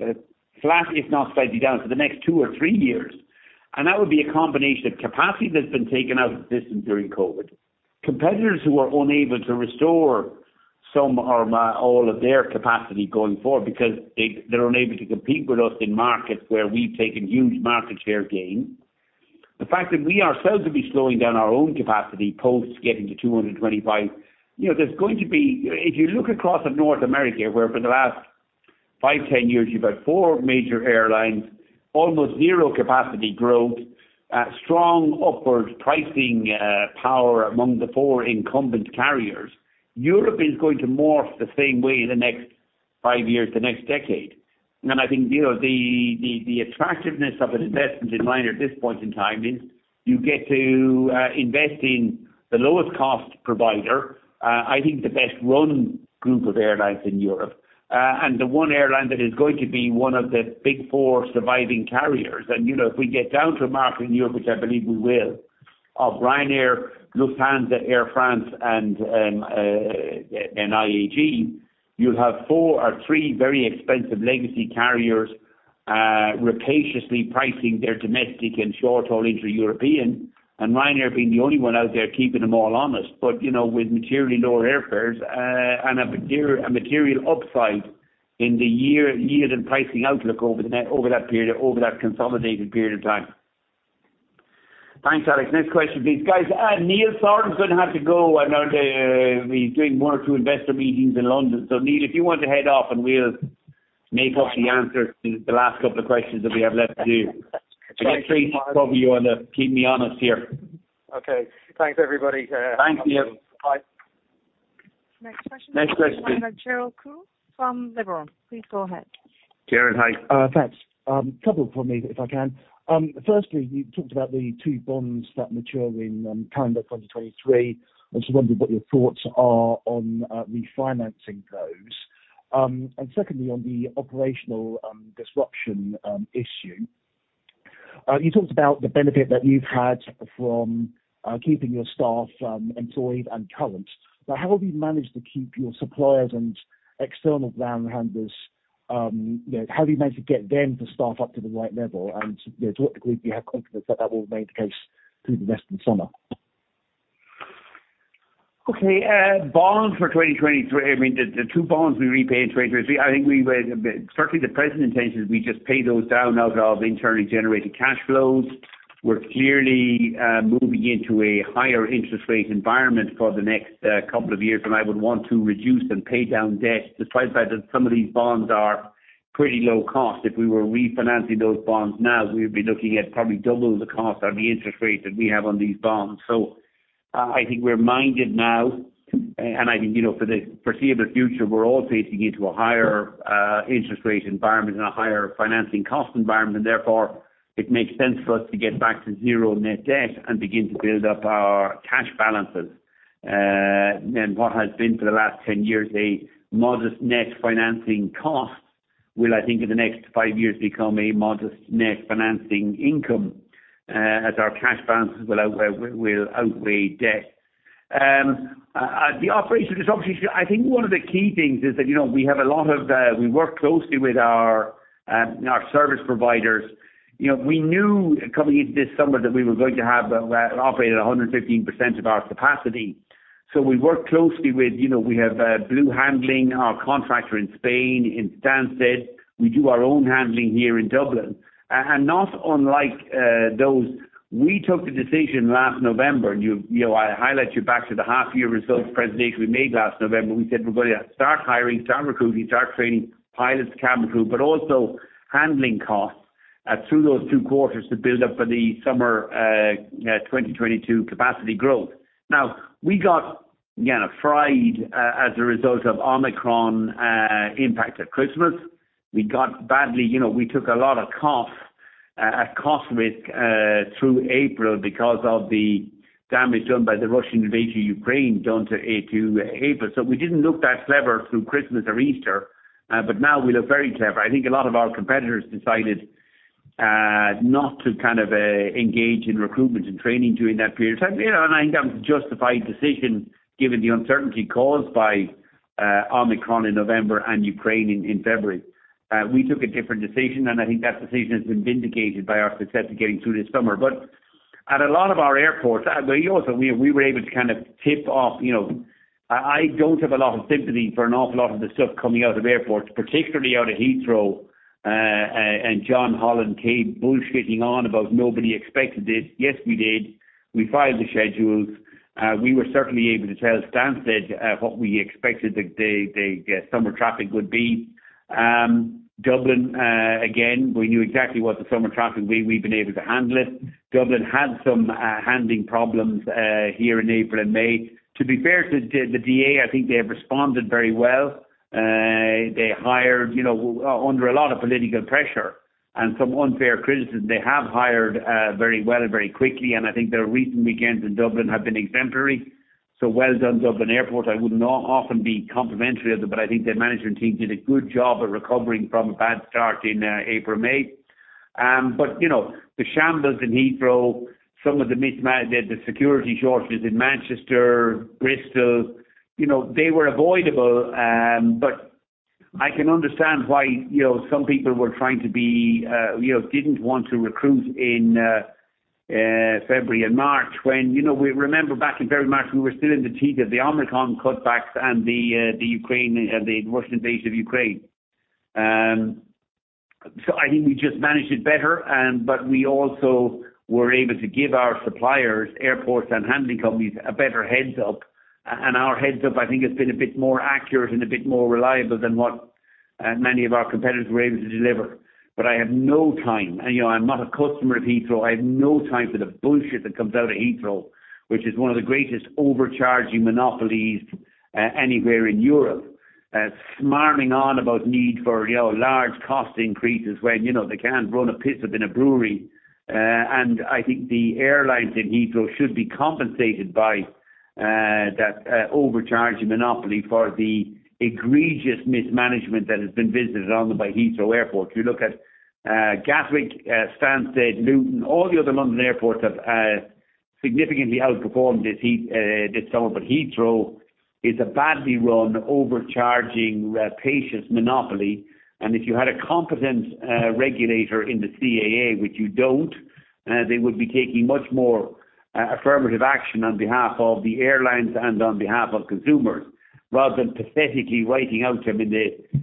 flat, if not slightly down for the next two or three years. That would be a combination of capacity that's been taken out of the system during COVID. Competitors who are unable to restore some or all of their capacity going forward because they're unable to compete with us in markets where we've taken huge market share gain. The fact that we ourselves will be slowing down our own capacity post getting to 225. You know, if you look across at North America, where for the last 5, 10 years, you've had four major airlines, almost zero capacity growth, strong upward pricing power among the four incumbent carriers. Europe is going to morph the same way in the next five years, the next decade. I think, you know, the attractiveness of an investment in Ryanair at this point in time is you get to invest in the lowest cost provider. I think the best run group of airlines in Europe, and the one airline that is going to be one of the big four surviving carriers. You know, if we get down to a market in Europe, which I believe we will, of Ryanair, Lufthansa, Air France and IAG, you'll have for the three very expensive legacy carriers rapaciously pricing their domestic and short-haul intra-European. Ryanair being the only one out there keeping them all honest. You know, with materially lower airfares and a material upside in the year-end pricing outlook over the next, over that period, over that consolidated period of time. Thanks, Alex. Next question, please. Guys, Neil, sorry, I'm gonna have to go. I know he's doing one or two investor meetings in London. So Neil, if you want to head off, and we'll make up the answers to the last couple of questions that we have left to do. I got three to cover you. Keep me honest here. Okay. Thanks, everybody. Thanks, Neil. Bye. Next question. Next question. Gerald Khoo from Liberum. Please go ahead. Gerald, hi. Thanks. Couple from me, if I can. Firstly, you talked about the two bonds that mature in calendar 2023. I just wondered what your thoughts are on refinancing those. Secondly, on the operational disruption issue. You talked about the benefit that you've had from keeping your staff employed and current. Now, how have you managed to keep your suppliers and external ground handlers, you know, how have you managed to get them to staff up to the right level? To what degree do you have confidence that that will remain the case through the rest of the summer? Okay. Bonds for 2023, I mean the two bonds we repay in 2023. I think certainly the present intention is we just pay those down out of internally generated cash flows. We're clearly moving into a higher interest rate environment for the next couple of years, and I would want to reduce and pay down debt despite the fact that some of these bonds are pretty low cost. If we were refinancing those bonds now, we would be looking at probably double the cost on the interest rate that we have on these bonds. I think we're minded now, and I think, you know, for the foreseeable future, we're all facing into a higher interest rate environment and a higher financing cost environment. Therefore, it makes sense for us to get back to zero net debt and begin to build up our cash balances. Then what has been for the last 10 years, a modest net financing cost will, I think in the next five years, become a modest net financing income, as our cash balances will outweigh debt. The operation is obviously still. I think one of the key things is that, you know, we have a lot of. We work closely with our service providers. You know, we knew coming into this summer that we were going to have operate at 115% of our capacity. We worked closely with, you know, we have Blue Handling, our contractor in Spain, in Stansted. We do our own handling here in Dublin. Not unlike those. We took the decision last November. You know, I take you back to the half year results presentation we made last November. We said we're gonna start hiring, start recruiting, start training pilots, cabin crew, but also handling costs through those two quarters to build up for the summer 2022 capacity growth. Now, we got, again, fried as a result of Omicron impact at Christmas. We got badly. You know, we took a lot of cost risk through April because of the damage done by the Russian invasion of Ukraine up to April. We didn't look that clever through Christmas or Easter. Now we look very clever. I think a lot of our competitors decided not to kind of engage in recruitment and training during that period of time. You know, I think that was a justified decision given the uncertainty caused by Omicron in November and Ukraine in February. We took a different decision, and I think that decision has been vindicated by our success of getting through this summer. At a lot of our airports, we also were able to kind of tip off, you know. I don't have a lot of sympathy for an awful lot of the stuff coming out of airports, particularly out of Heathrow. John Holland-Kaye came bullshitting on about nobody expected it. Yes, we did. We filed the schedules. We were certainly able to tell Stansted what we expected the summer traffic would be. Dublin again, we knew exactly what the summer traffic will be. We've been able to handle it. Dublin had some handling problems here in April and May. To be fair to the DAA, I think they have responded very well. They hired, you know, under a lot of political pressure and some unfair criticism. They have hired very well and very quickly, and I think their recent weekends in Dublin have been exemplary. Well done, Dublin Airport. I wouldn't often be complimentary of them, but I think their management team did a good job of recovering from a bad start in April and May. You know, the shambles in Heathrow, some of the security shortages in Manchester, Bristol, you know, they were avoidable. I can understand why, you know, some people were trying to be, you know, didn't want to recruit in February and March when, you know, we remember back in early March, we were still in the teeth of the Omicron cutbacks and the Ukraine, the Russian invasion of Ukraine. I think we just managed it better, but we also were able to give our suppliers, airports and handling companies a better heads-up. Our heads up, I think, has been a bit more accurate and a bit more reliable than what many of our competitors were able to deliver. I have no time. You know, I'm not a customer of Heathrow. I have no time for the bullshit that comes out of Heathrow, which is one of the greatest overcharging monopolies anywhere in Europe. Smarming on about need for, you know, large cost increases when, you know, they can't run a piss up in a brewery. I think the airlines in Heathrow should be compensated by that overcharging monopoly for the egregious mismanagement that has been visited on them by Heathrow Airport. If you look at Gatwick, Stansted, Luton, all the other London airports have significantly outperformed this summer. Heathrow is a badly run, overcharging pissant monopoly. If you had a competent regulator in the CAA, which you don't, they would be taking much more affirmative action on behalf of the airlines and on behalf of consumers, rather than pathetically, I mean the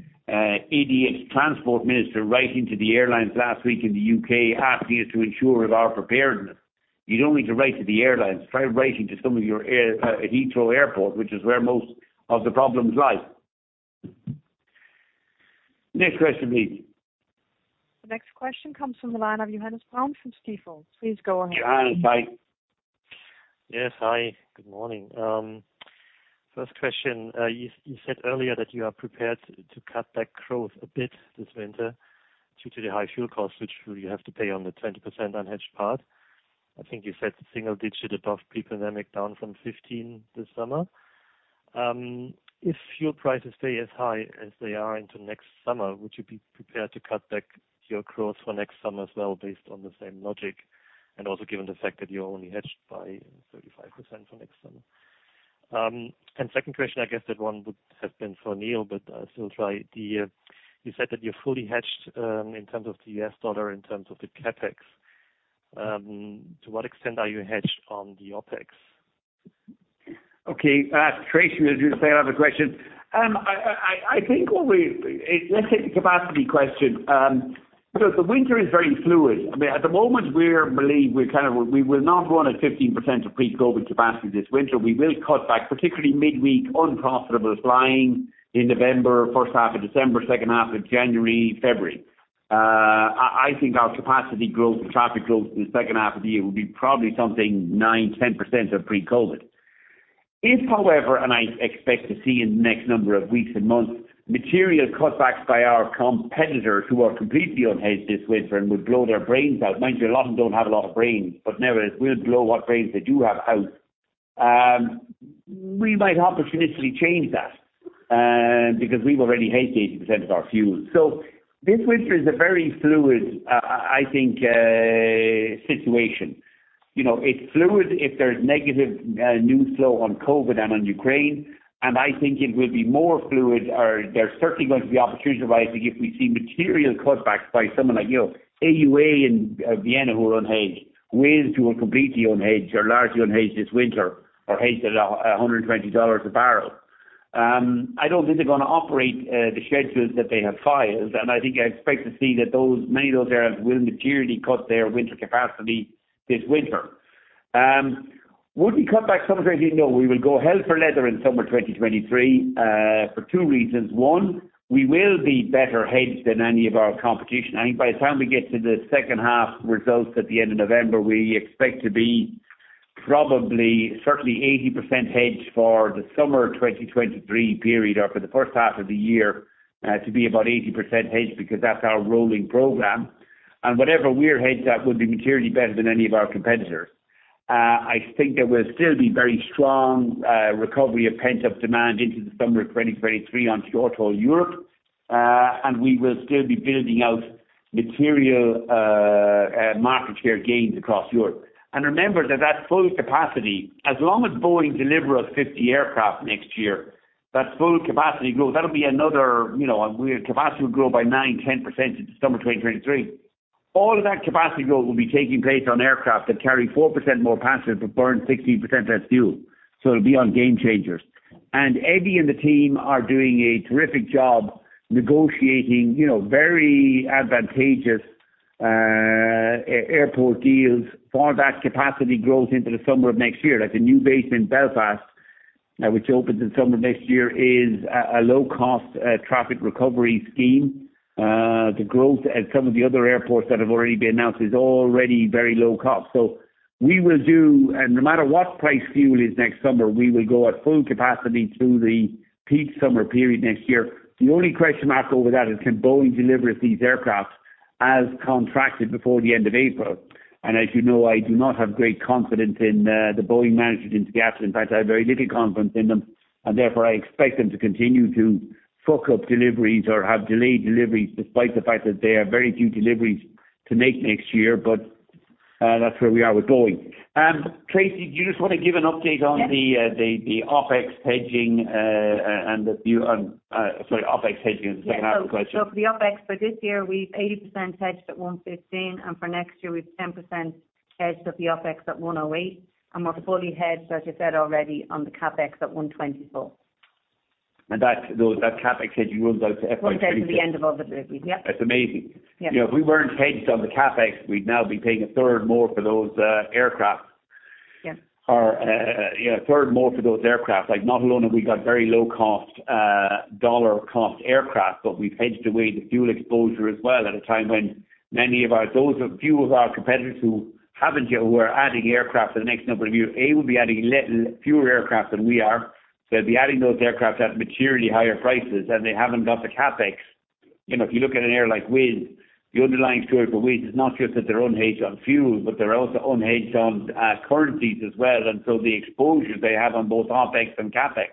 DfT transport minister writing to the airlines last week in the UK asking us to ensure of our preparedness. You don't need to write to the airlines. Try writing to some of your airports, Heathrow Airport, which is where most of the problems lie. Next question please. The next question comes from the line of Johannes Braun from Stifel. Please go ahead. Johannes, hi. Yes. Hi, good morning. First question. You said earlier that you are prepared to cut back growth a bit this winter due to the high fuel costs, which you have to pay on the 20% unhedged part. I think you said single digit above pre-pandemic, down from 15 this summer? If fuel prices stay as high as they are into next summer, would you be prepared to cut back your growth for next summer as well based on the same logic, and also given the fact that you're only hedged by 35% for next summer? Second question, I guess that one would have been for Neil, but I'll still try. You said that you're fully hedged in terms of the US dollar in terms of the CapEx. To what extent are you hedged on the OpEx? Okay. Tracey, would you just say I have a question. Let's take the capacity question. Because the winter is very fluid. I mean, at the moment we believe we will not run at 15% of pre-COVID capacity this winter. We will cut back, particularly midweek unprofitable flying in November, first half of December, second half of January, February. I think our capacity growth and traffic growth in the second half of the year will be probably something 9%-10% of pre-COVID. If, however, I expect to see in the next number of weeks and months, material cutbacks by our competitors who are completely unhedged this winter and would blow their brains out. Mind you, a lot of them don't have a lot of brains, but nevertheless will blow what brains they do have out. We might opportunistically change that, because we've already hedged 80% of our fuel. This winter is a very fluid, I think, situation. You know, it's fluid if there's negative news flow on COVID and on Ukraine, and I think it will be more fluid or there's certainly going to be opportunities arising if we see material cutbacks by someone like, you know, AUA in Vienna who are unhedged. Wizz who are completely unhedged or largely unhedged this winter, or hedged at $120 a barrel. I don't think they're gonna operate the schedules that they have filed, and I think I expect to see that many of those airlines will materially cut their winter capacity this winter. Would we cut back summer? You know, we will go hell for leather in summer 2023 for two reasons. One, we will be better hedged than any of our competition. I think by the time we get to the second half results at the end of November, we expect to be probably certainly 80% hedged for the summer of 2023 period or for the first half of the year to be about 80% hedged because that's our rolling program. Whatever we're hedged at would be materially better than any of our competitors. I think there will still be very strong recovery of pent-up demand into the summer of 2023 on short-haul Europe, and we will still be building out material market share gains across Europe. Remember that full capacity, as long as Boeing deliver us 50 aircraft next year, that full capacity growth, that'll be another, you know, capacity will grow by 9%-10% in summer 2023. All of that capacity growth will be taking place on aircraft that carry 4% more passengers, but burn 16% less fuel. It'll be on Gamechangers. Eddie and the team are doing a terrific job negotiating, you know, very advantageous airport deals for that capacity growth into the summer of next year. Like the new base in Belfast, which opens in summer next year, is a low-cost traffic recovery scheme. The growth at some of the other airports that have already been announced is already very low cost. We will do, and no matter what the fuel price is next summer, we will go at full capacity through the peak summer period next year. The only question mark over that is can Boeing deliver us these aircraft as contracted before the end of April? As you know, I do not have great confidence in the Boeing management in Seattle. In fact, I have very little confidence in them, and therefore I expect them to continue to up deliveries or have delayed deliveries despite the fact that they have very few deliveries to make next year. That's where we are with Boeing. Tracey, do you just wanna give an update on the Yeah. The OpEx hedging and the view on, sorry, OpEx hedging is the second half of the question. For the OpEx for this year, we've 80% hedged at 1.15, and for next year, we've 10% hedged of the OpEx at 1.08. We're fully hedged, as you said already, on the CapEx at 1.24. That CapEx hedging runs out to FY23. Runs out to the end of all deliveries. Yep. That's amazing. Yeah. You know, if we weren't hedged on the CapEx, we'd now be paying a third more for those aircraft. Yeah. You know, a third more for those aircraft. Like, not only have we got very low cost dollar cost aircraft, but we've hedged away the fuel exposure as well at a time when few of our competitors who haven't yet, who are adding aircraft in the next number of years, will be adding fewer aircraft than we are. They'll be adding those aircraft at materially higher prices, and they haven't got the CapEx. You know, if you look at an airline like Wizz, the underlying story for Wizz is not just that they're unhedged on fuel, but they're also unhedged on currencies as well. The exposures they have on both OpEx and CapEx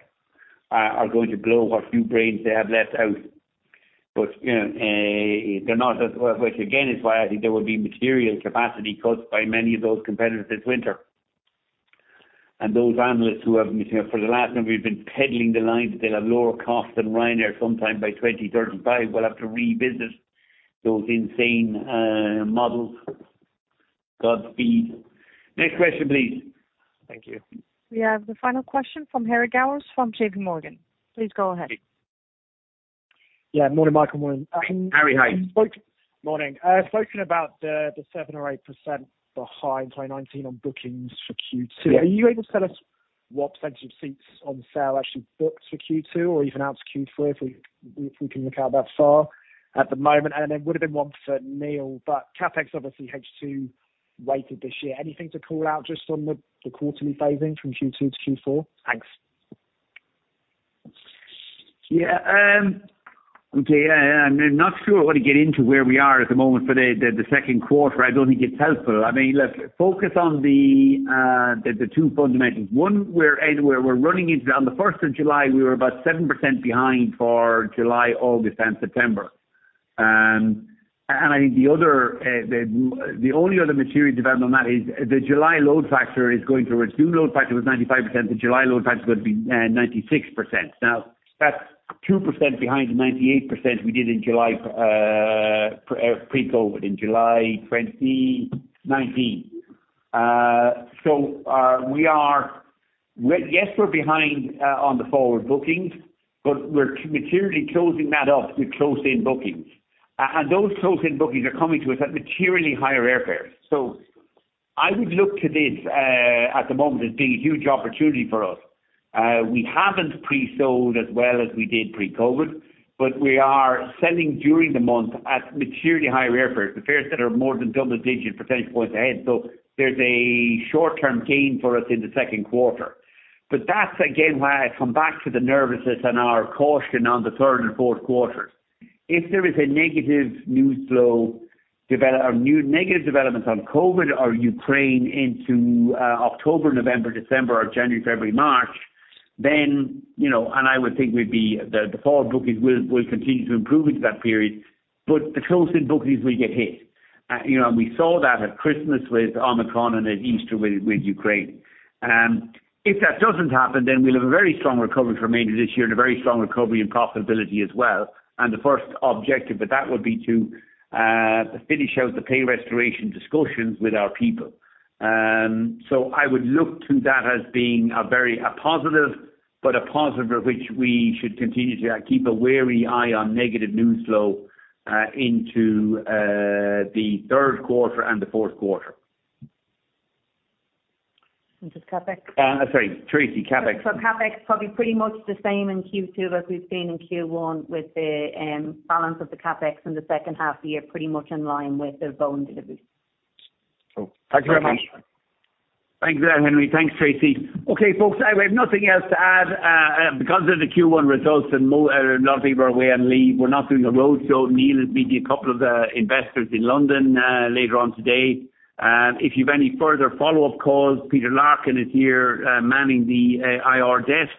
are going to blow what few brains they have left out. You know, they're not as which again is why I think there will be material capacity cuts by many of those competitors this winter. Those analysts who have, you know, for the last number of years been peddling the line that they'll have lower cost than Ryanair sometime by 2035 will have to revisit those insane models. Godspeed. Next question, please. Thank you. We have the final question from Harry Gowers from JPMorgan. Please go ahead. Yeah. Morning, Michael. Morning. Harry, hi. Morning. Spoken about the 7%-8% behind 2019 on bookings for Q2. Yeah. Are you able to tell us what percentage of seats on sale actually booked for Q2 or even out to Q3, if we can look out that far at the moment? Then it would have been one for Neil, but CapEx obviously H2 weighted this year. Anything to call out just on the quarterly phasing from Q2 to Q4? Thanks. Yeah. Okay. I'm not sure I wanna get into where we are at the moment for the second quarter. I don't think it's helpful. I mean, let's focus on the two fundamentals. One, on the first of July, we were about 7% behind for July, August, and September. And I think the only other material development on that is the July load factor is going through. June load factor was 95%. The July load factor is going to be 96%. Now that's 2% behind the 98% we did in July pre-COVID, in July 2019. So, we're behind on the forward bookings, but we're materially closing that up with closed-in bookings. Those closed-in bookings are coming to us at materially higher airfares. I would look to this at the moment as being a huge opportunity for us. We haven't pre-sold as well as we did pre-COVID, but we are selling during the month at materially higher airfares, the fares that are more than double-digit percentage points ahead. There's a short-term gain for us in the second quarter. That's again why I come back to the nervousness and our caution on the third and fourth quarters. If there is a negative news flow develop or new negative developments on COVID or Ukraine into October, November, December or January, February, March, then I would think the forward bookings will continue to improve into that period, but the closed-in bookings will get hit. You know, we saw that at Christmas with Omicron and at Easter with Ukraine. If that doesn't happen, then we'll have a very strong recovery for remainder of this year and a very strong recovery in profitability as well. The first objective of that would be to finish out the pay restoration discussions with our people. I would look to that as being a very positive, but a positive for which we should continue to keep a wary eye on negative news flow into the third quarter and the fourth quarter. Just CapEx? Sorry. Tracy, CapEx. CapEx probably pretty much the same in Q2 as we've seen in Q1 with the balance of the CapEx in the second half year, pretty much in line with the Boeing deliveries. Cool. Thank you very much. Thanks, Harry Gowers. Thanks, Tracey McCann. Okay, folks, I have nothing else to add. Because of the Q1 results and a lot of people are away on leave, we're not doing a roadshow. Neil Sorahan will be meeting a couple of the investors in London later on today. If you've any further follow-up calls, Peter Larkin is here manning the IR desk,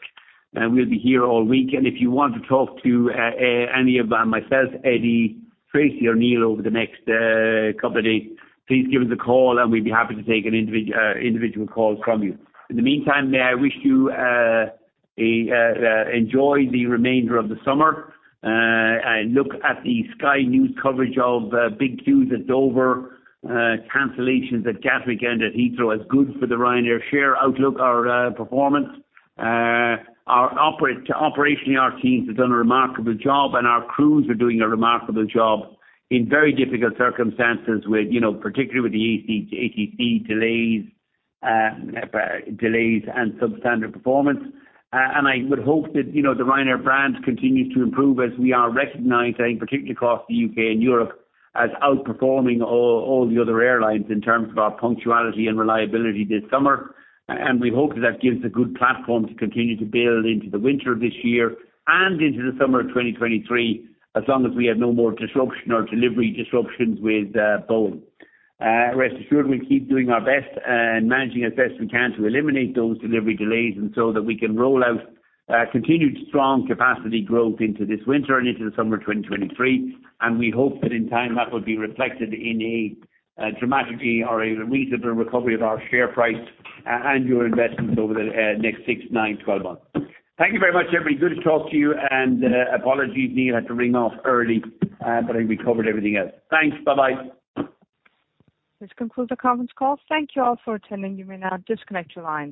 and we'll be here all week. If you want to talk to any of myself, Eddie Wilson, Tracey McCann, or Neil Sorahan over the next couple of days, please give us a call and we'd be happy to take an individual call from you. In the meantime, may I wish you enjoy the remainder of the summer. I look at the Sky News coverage of big queues at Dover, cancellations at Gatwick and at Heathrow as good for the Ryanair share outlook, our performance. Operationally our teams have done a remarkable job, and our crews are doing a remarkable job in very difficult circumstances with, you know, particularly with the ATC delays and substandard performance. I would hope that, you know, the Ryanair brand continues to improve as we are recognized, I think particularly across the UK and Europe, as outperforming all the other airlines in terms of our punctuality and reliability this summer. We hope that gives a good platform to continue to build into the winter of this year and into the summer of 2023, as long as we have no more disruption or delivery disruptions with Boeing. Rest assured we'll keep doing our best and managing as best we can to eliminate those delivery delays and so that we can roll out continued strong capacity growth into this winter and into the summer of 2023. We hope that in time that will be reflected in a dramatically or a reasonable recovery of our share price and your investments over the next 6, 9, 12 months. Thank you very much, everybody. Good to talk to you and apologies Neil had to ring off early, but I think we covered everything else. Thanks. Bye-bye. This concludes the conference call. Thank you all for attending. You may now disconnect your lines.